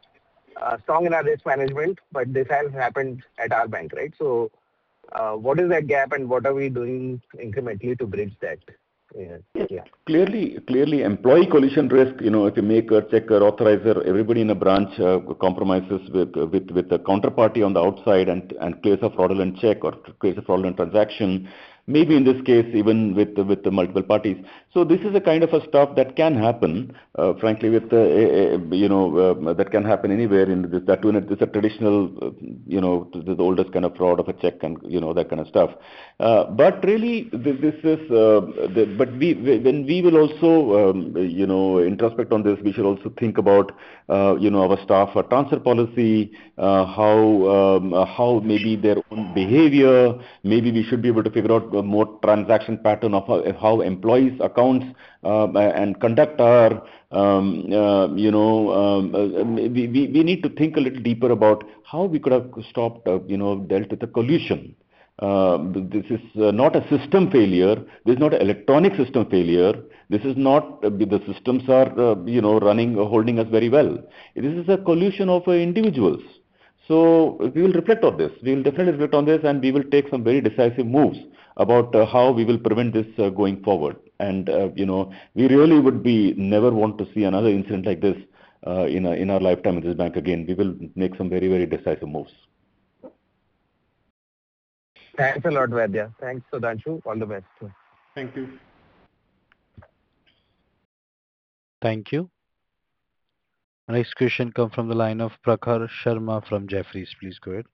[SPEAKER 7] strong in our risk management, but this has happened at our bank, right? What is that gap, and what are we doing incrementally to bridge that?
[SPEAKER 2] Clearly, clearly, employee collusion risk, you know, if a maker, checker, authorizer, everybody in a branch compromises with, with, with a counterparty on the outside and, and clears a fraudulent check or creates a fraudulent transaction, maybe in this case, even with the, with the multiple parties. This is the kind of a stuff that can happen, frankly, with the, you know, that can happen anywhere in the system. This a traditional, you know, the, the oldest kind of fraud of a check and, you know, that kind of stuff. Really, this, this is, but we, we, when we will also, you know, introspect on this, we should also think about, you know, our staff transfer policy, how, how maybe their own behavior, maybe we should be able to figure out more transaction pattern of how, how employees' accounts, and conduct are, you know, we, we, we need to think a little deeper about how we could have stopped, you know, dealt with the collusion. This is not a system failure. This is not an electronic system failure. This is not... The, the systems are, you know, running, holding us very well. This is a collusion of individuals. We will reflect on this. We will definitely reflect on this, and we will take some very decisive moves about, how we will prevent this, going forward. You know, we really would never want to see another incident like this, in our, in our lifetime in this bank again. We will make some very, very decisive moves.
[SPEAKER 7] Thanks a lot, Vaidya. Thanks, Sudhanshu. All the best to you.
[SPEAKER 3] Thank you.
[SPEAKER 1] Thank you. Next question come from the line of Prakhar Sharma from Jefferies. Please go ahead.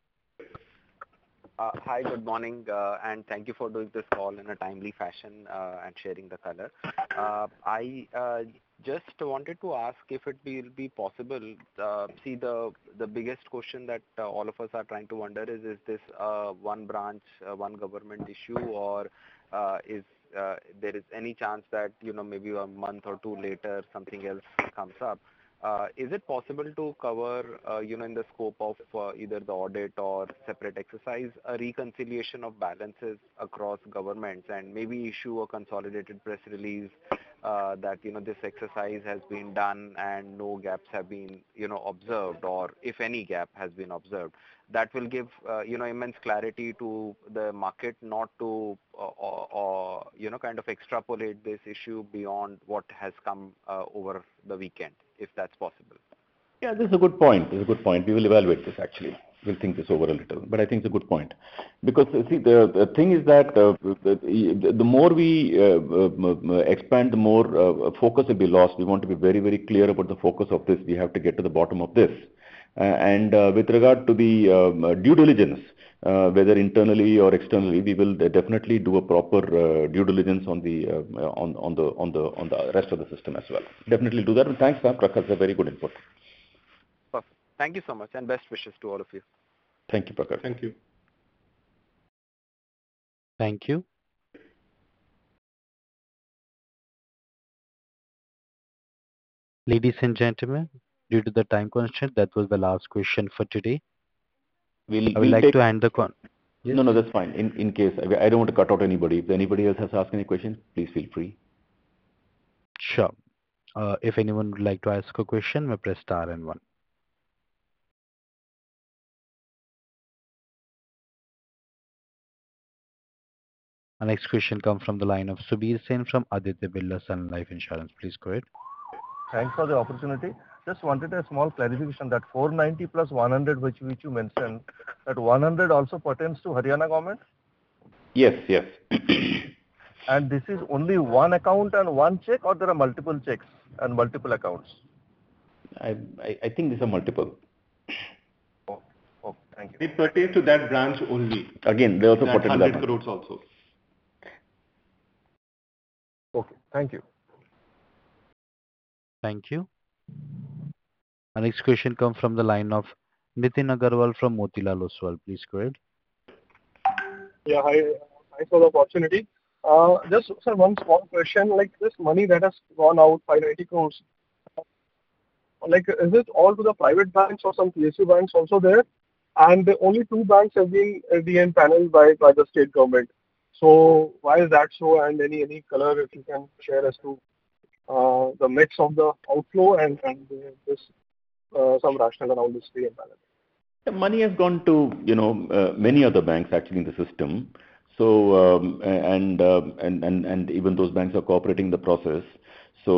[SPEAKER 8] Hi, good morning, and thank you for doing this call in a timely fashion, and sharing the color. I just wanted to ask if it will be possible. See, the biggest question that all of us are trying to wonder is, is this, one branch, one government issue, or, is there any chance that, you know, maybe a month or two later, something else comes up? Is it possible to cover, you know, in the scope of, either the audit or separate exercise, a reconciliation of balances across governments and maybe issue a consolidated press release, that, you know, this exercise has been done and no gaps have been, you know, observed, or if any gap has been observed? That will give, you know, immense clarity to the market, not to, or, you know, kind of extrapolate this issue beyond what has come over the weekend, if that's possible.
[SPEAKER 2] Yeah, this is a good point. This is a good point. We will evaluate this, actually. We'll think this over a little, but I think it's a good point, because, you see, the, the thing is that, the, the more we expand, the more focus will be lost. We want to be very, very clear about the focus of this. We have to get to the bottom of this. With regard to the due diligence, whether internally or externally, we will definitely do a proper due diligence on the rest of the system as well. Definitely do that. Thanks, Prakhar, it's a very good input.
[SPEAKER 8] Perfect. Thank you so much, and best wishes to all of you.
[SPEAKER 2] Thank you, Prakhar.
[SPEAKER 8] Thank you.
[SPEAKER 1] Thank you. Ladies and gentlemen, due to the time constraint, that was the last question for today. We'll like to end the con.
[SPEAKER 2] No, no, that's fine. In, in case, I don't want to cut out anybody. If anybody else has to ask any questions, please feel free.
[SPEAKER 1] Sure. If anyone would like to ask a question, press star and one. Our next question come from the line of Subir Sen from Aditya Birla Sun Life Insurance. Please go ahead.
[SPEAKER 9] Thanks for the opportunity. Just wanted a small clarification. That 490 plus 100 which you mentioned, that 100 also pertains to Haryana government?
[SPEAKER 2] Yes, yes.
[SPEAKER 9] This is only one account and one check, or there are multiple checks and multiple accounts?
[SPEAKER 2] I, I, I think these are multiple.
[SPEAKER 9] Oh, Oh, thank you.
[SPEAKER 2] They pertain to that branch only. They also put it INR 100 crore also.
[SPEAKER 9] Okay. Thank you.
[SPEAKER 1] Thank you. Our next question come from the line of Nitin Aggarwal from Motilal Oswal. Please go ahead.
[SPEAKER 10] Yeah. Hi. Thanks for the opportunity. Just, sir, one small question. Like, this money that has gone out, 580 crore, like, is this all to the private banks or some PSU banks also there? Only two banks have been empanelled by the state government. Why is that so? Any color if you can share as to the mix of the outflow and this, some rationale around this panel.
[SPEAKER 2] The money has gone to, you know, many of the banks actually in the system. Even those banks are cooperating the process. We,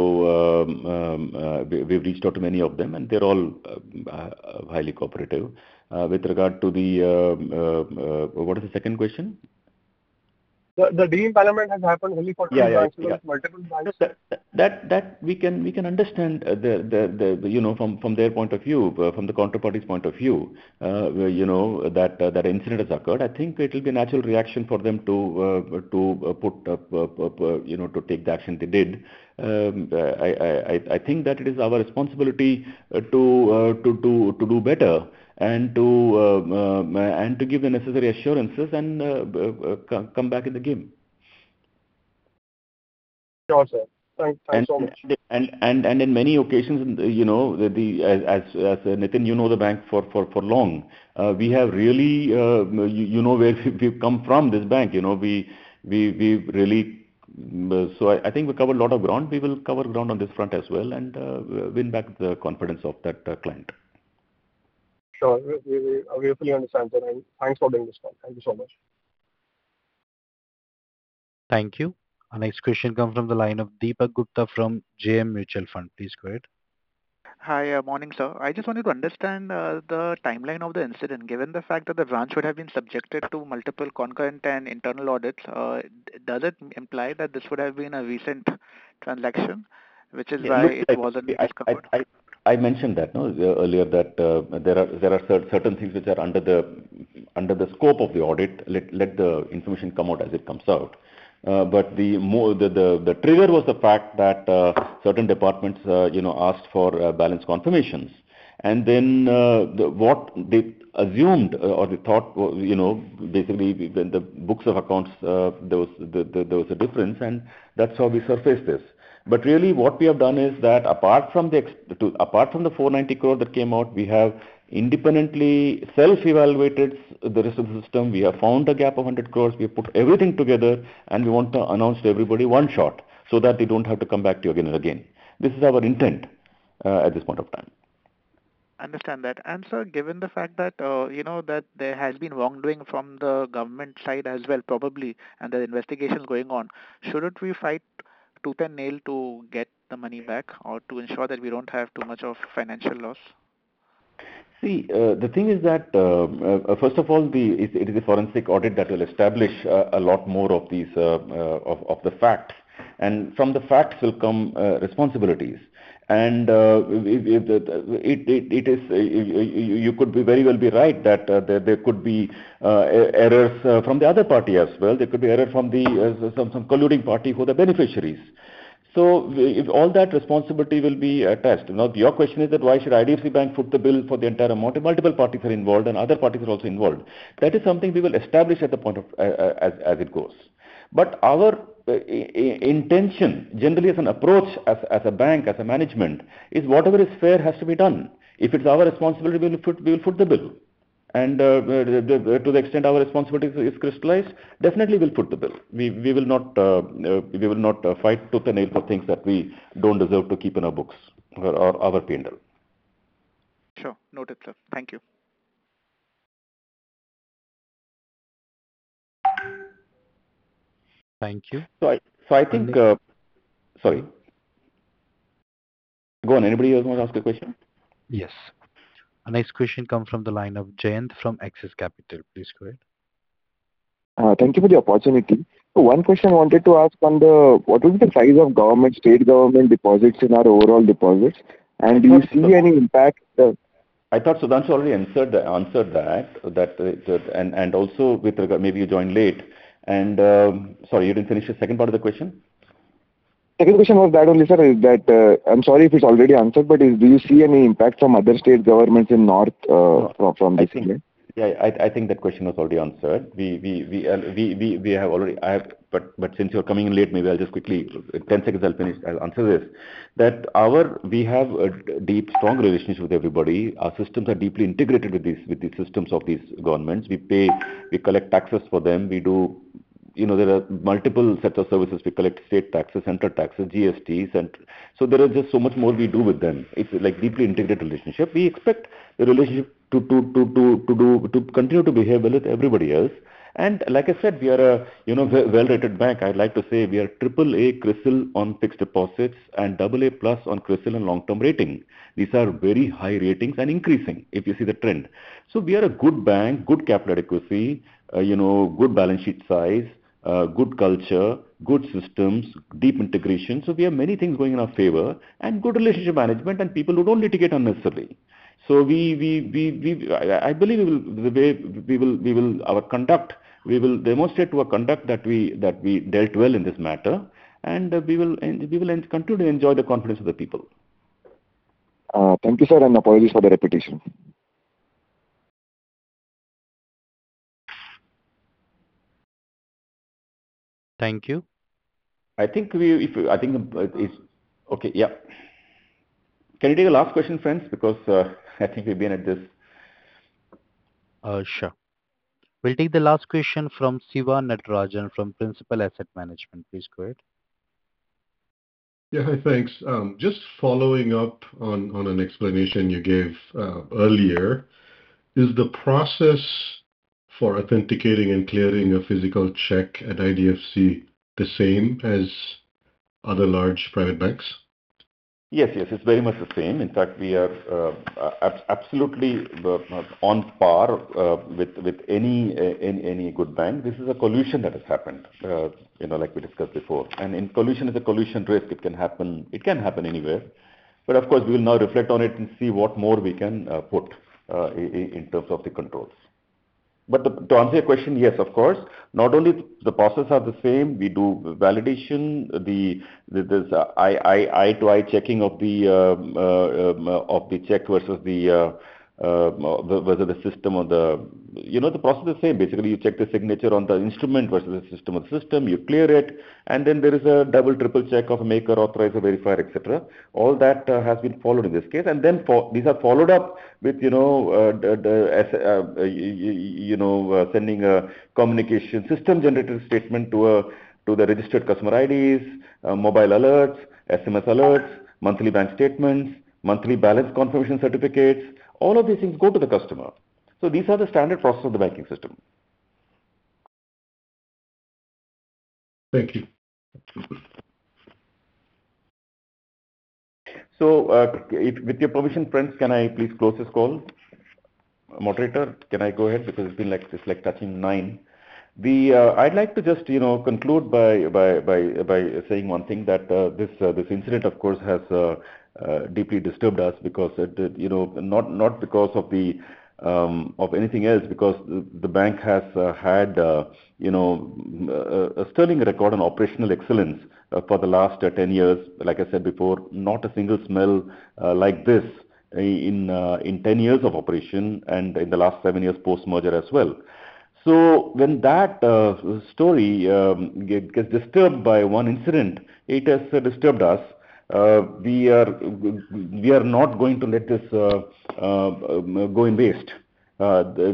[SPEAKER 2] we've reached out to many of them, and they're all highly cooperative. With regard to the... What is the second question?
[SPEAKER 10] The de-panelment has happened only for.
[SPEAKER 2] Yeah, yeah, yeah.
[SPEAKER 10] Multiple banks.
[SPEAKER 2] That, that, we can, we can understand the, the, the, you know, from, from their point of view, from the counterparty's point of view, where, you know, that, that incident has occurred. I think it will be a natural reaction for them to, to, put up, you know, to take the action they did. I, I, I, I think that it is our responsibility, to, to, to, to do better and to, and to give the necessary assurances and, come, come back in the game.
[SPEAKER 10] Sure, sir. Thank, thanks so much.
[SPEAKER 2] In many occasions, you know, Nitin, you know the bank for long. We have really, you know, where we've come from, this bank, you know, we've really. I think we covered a lot of ground. We will cover ground on this front as well, and win back the confidence of that client.
[SPEAKER 10] Sure. We, we, we hopefully understand that, and thanks for doing this call. Thank you so much.
[SPEAKER 1] Thank you. Our next question come from the line of Deepak Gupta from JM Mutual Fund. Please go ahead.
[SPEAKER 11] Hi. Morning, sir. I just wanted to understand, the timeline of the incident. Given the fact that the branch would have been subjected to multiple concurrent and internal audits, does it imply that this would have been a recent transaction, which is why it wasn't discovered?
[SPEAKER 2] I mentioned that earlier, that there are certain things which are under the scope of the audit. Let the information come out as it comes out. The more the trigger was the fact that certain departments, you know, asked for balance confirmations. Then, what they assumed or they thought, you know, basically, when the books of accounts, there was a difference, and that's how we surfaced this. Really, what we have done is that apart from the apart from the 490 crore that came out, we have independently self-evaluated the rest of the system. We have found a gap of 100 crore. We have put everything together, and we want to announce to everybody one shot, so that they don't have to come back to you again and again. This is our intent at this point of time.
[SPEAKER 11] Understand that. Sir, given the fact that, you know, that there has been wrongdoing from the government side as well, probably, and the investigation is going on, shouldn't we fight tooth and nail to get the money back or to ensure that we don't have too much of financial loss?
[SPEAKER 2] See, the thing is that, first of all, the, it, it is a forensic audit that will establish a, a lot more of these, of, of the facts. From the facts will come, responsibilities. If, if the, the, it, it, it is, you, you could be very well be right, that, there, there could be, errors from the other party as well. There could be error from the, some, some colluding party who are the beneficiaries. If all that responsibility will be attached. Now, your question is that why should IDFC Bank foot the bill for the entire amount? If multiple parties are involved and other parties are also involved, that is something we will establish at the point of, as, as it goes. Our intention, generally as an approach, as a bank, as a management, is whatever is fair has to be done. If it's our responsibility, we'll foot, we will foot the bill. To the extent our responsibility is crystallized, definitely we'll foot the bill. We, we will not, we will not fight tooth and nail for things that we don't deserve to keep in our books or, or our P&L.
[SPEAKER 11] Sure. Noted, sir. Thank you.
[SPEAKER 1] Thank you.
[SPEAKER 2] I think. Sorry. Go on, anybody else want to ask a question?
[SPEAKER 1] Yes. Our next question come from the line of Jayant from Axis Capital. Please go ahead.
[SPEAKER 12] Thank you for the opportunity. 1 question I wanted to ask on the, what is the size of government, state government deposits in our overall deposits, and do you see any impact?
[SPEAKER 2] I thought Sudhanshu already answered, answered that, that. And, and also with regard, maybe you joined late, and... Sorry, you didn't finish the second part of the question?
[SPEAKER 12] Second question was that only, sir, is that, I'm sorry if it's already answered, but do you see any impact from other state governments in north, from this case?
[SPEAKER 2] Yeah, I think that question was already answered. We have already, I have but, but since you're coming in late, maybe I'll just quickly, in 10 seconds I'll finish, I'll answer this. That our-- We have a deep, strong relationship with everybody. Our systems are deeply integrated with these, with the systems of these governments. We pay, we collect taxes for them, we do... You know, there are multiple sets of services. We collect state taxes, central taxes, GST, and so there is just so much more we do with them. It's like deeply integrated relationship. We expect the relationship to do-- to continue to behave well with everybody else. Like I said, we are a, you know, well-rated bank. I'd like to say we are AAA CRISIL on fixed deposits and AA+ on CRISIL and long-term rating. These are very high ratings and increasing, if you see the trend. We are a good bank, good capital adequacy, you know, good balance sheet size, good culture, good systems, deep integration. We have many things going in our favor and good relationship management and people who don't litigate unnecessarily. I believe we will. Our conduct, we will demonstrate to a conduct that we, that we dealt well in this matter, and we will continue to enjoy the confidence of the people.
[SPEAKER 12] Thank you, sir, and apologies for the repetition.
[SPEAKER 1] Thank you.
[SPEAKER 2] I think we, I think it's. Okay. Yeah. Can we take a last question, friends, because I think we've been at this.
[SPEAKER 1] Sure. We'll take the last question from Siva Natarajan from Principal Asset Management. Please go ahead.
[SPEAKER 13] Yeah. Hi, thanks. Just following up on, on an explanation you gave earlier. Is the process for authenticating and clearing a physical check at IDFC the same as other large private banks?
[SPEAKER 2] Yes, yes, it's very much the same. In fact, we are absolutely the, on par with, with any, any good bank. This is a collusion that has happened, you know, like we discussed before. In collusion is a collusion risk. It can happen, it can happen anywhere. Of course, we will now reflect on it and see what more we can put in terms of the controls. To answer your question, yes, of course, not only the processes are the same, we do validation, the, there's eye to eye checking of the check versus the whether the system or the. You know, the process is the same. Basically, you check the signature on the instrument versus the system of system, you clear it, and then there is a double, triple check of maker, authorizer, verifier, et cetera. All that has been followed in this case. Then these are followed up with, you know, the, the, as, you know, sending a communication system-generated statement to, to the registered customer IDs, mobile alerts, SMS alerts, monthly bank statements, monthly balance confirmation certificates. All of these things go to the customer. These are the standard processes of the banking system.
[SPEAKER 13] Thank you.
[SPEAKER 2] With your permission, friends, can I please close this call? Moderator, can I go ahead? It's been like, it's like touching 9. We, I'd like to just, you know, conclude by, by, by, by saying one thing, that this, this incident, of course, has deeply disturbed us because it, you know, not, not because of the of anything else, because the bank has had, you know, a, a sterling record on operational excellence for the last 10 years. Like I said before, not a single smell like this in 10 years of operation and in the last 7 years post-merger as well. When that story get, gets disturbed by 1 incident, it has disturbed us. We are, we are not going to let this go in waste.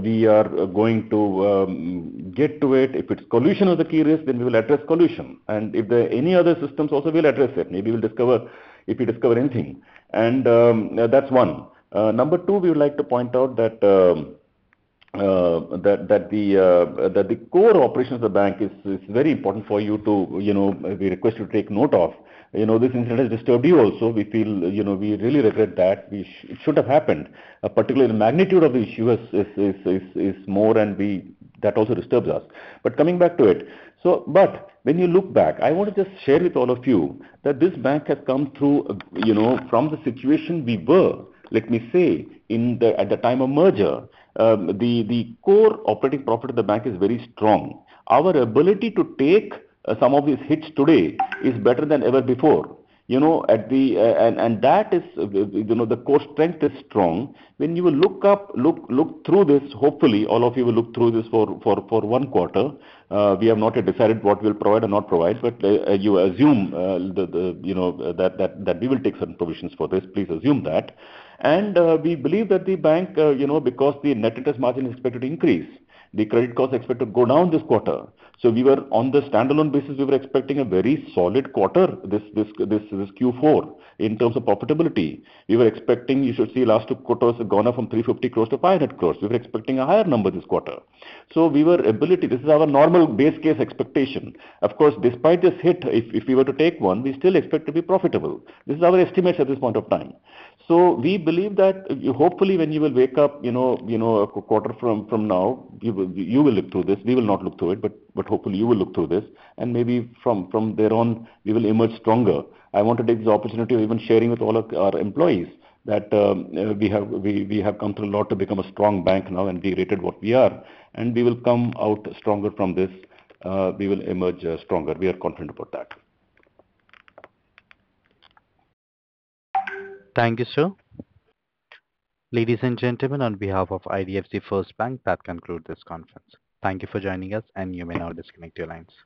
[SPEAKER 2] We are going to get to it. If it's collusion of the key risk, then we will address collusion. If there are any other systems also, we'll address it. Maybe we'll discover, if we discover anything. That's one. Number two, we would like to point out that, that the core operations of the bank is, is very important for you to, you know, we request you to take note of. You know, this incident has disturbed you also. We feel, you know, we really regret that. It shouldn't have happened. Particularly, the magnitude of the issue is, is, is, is more, and we, that also disturbs us. Coming back to it. When you look back, I want to just share with all of you that this bank has come through, you know, from the situation we were, let me say, at the time of merger, the core operating profit of the bank is very strong. Our ability to take some of these hits today is better than ever before. You know, that is, you know, the core strength is strong. When you will look through this, hopefully, all of you will look through this for one quarter. We have not yet decided what we'll provide or not provide, but you assume, you know, that we will take some provisions for this. Please assume that. We believe that the bank, you know, because the net interest margin is expected to increase, the credit costs are expected to go down this quarter. On the standalone basis, we were expecting a very solid quarter, this Q4, in terms of profitability. We were expecting, you should see last two quarters have gone up from 350 crore to 500 crore. We were expecting a higher number this quarter. This is our normal base case expectation. Of course, despite this hit, if we were to take one, we still expect to be profitable. This is our estimates at this point of time. We believe that hopefully when you will wake up, you know, a quarter from now, you will look through this. We will not look through it, but hopefully you will look through this, and maybe from, from there on, we will emerge stronger. I want to take this opportunity of even sharing with all of our employees, that we have come through a lot to become a strong bank now and be rated what we are, and we will come out stronger from this. We will emerge stronger. We are confident about that.
[SPEAKER 1] Thank you, sir. Ladies and gentlemen, on IDFC FIRST Bank, that concludes this conference. Thank you for joining us, and you may now disconnect your lines.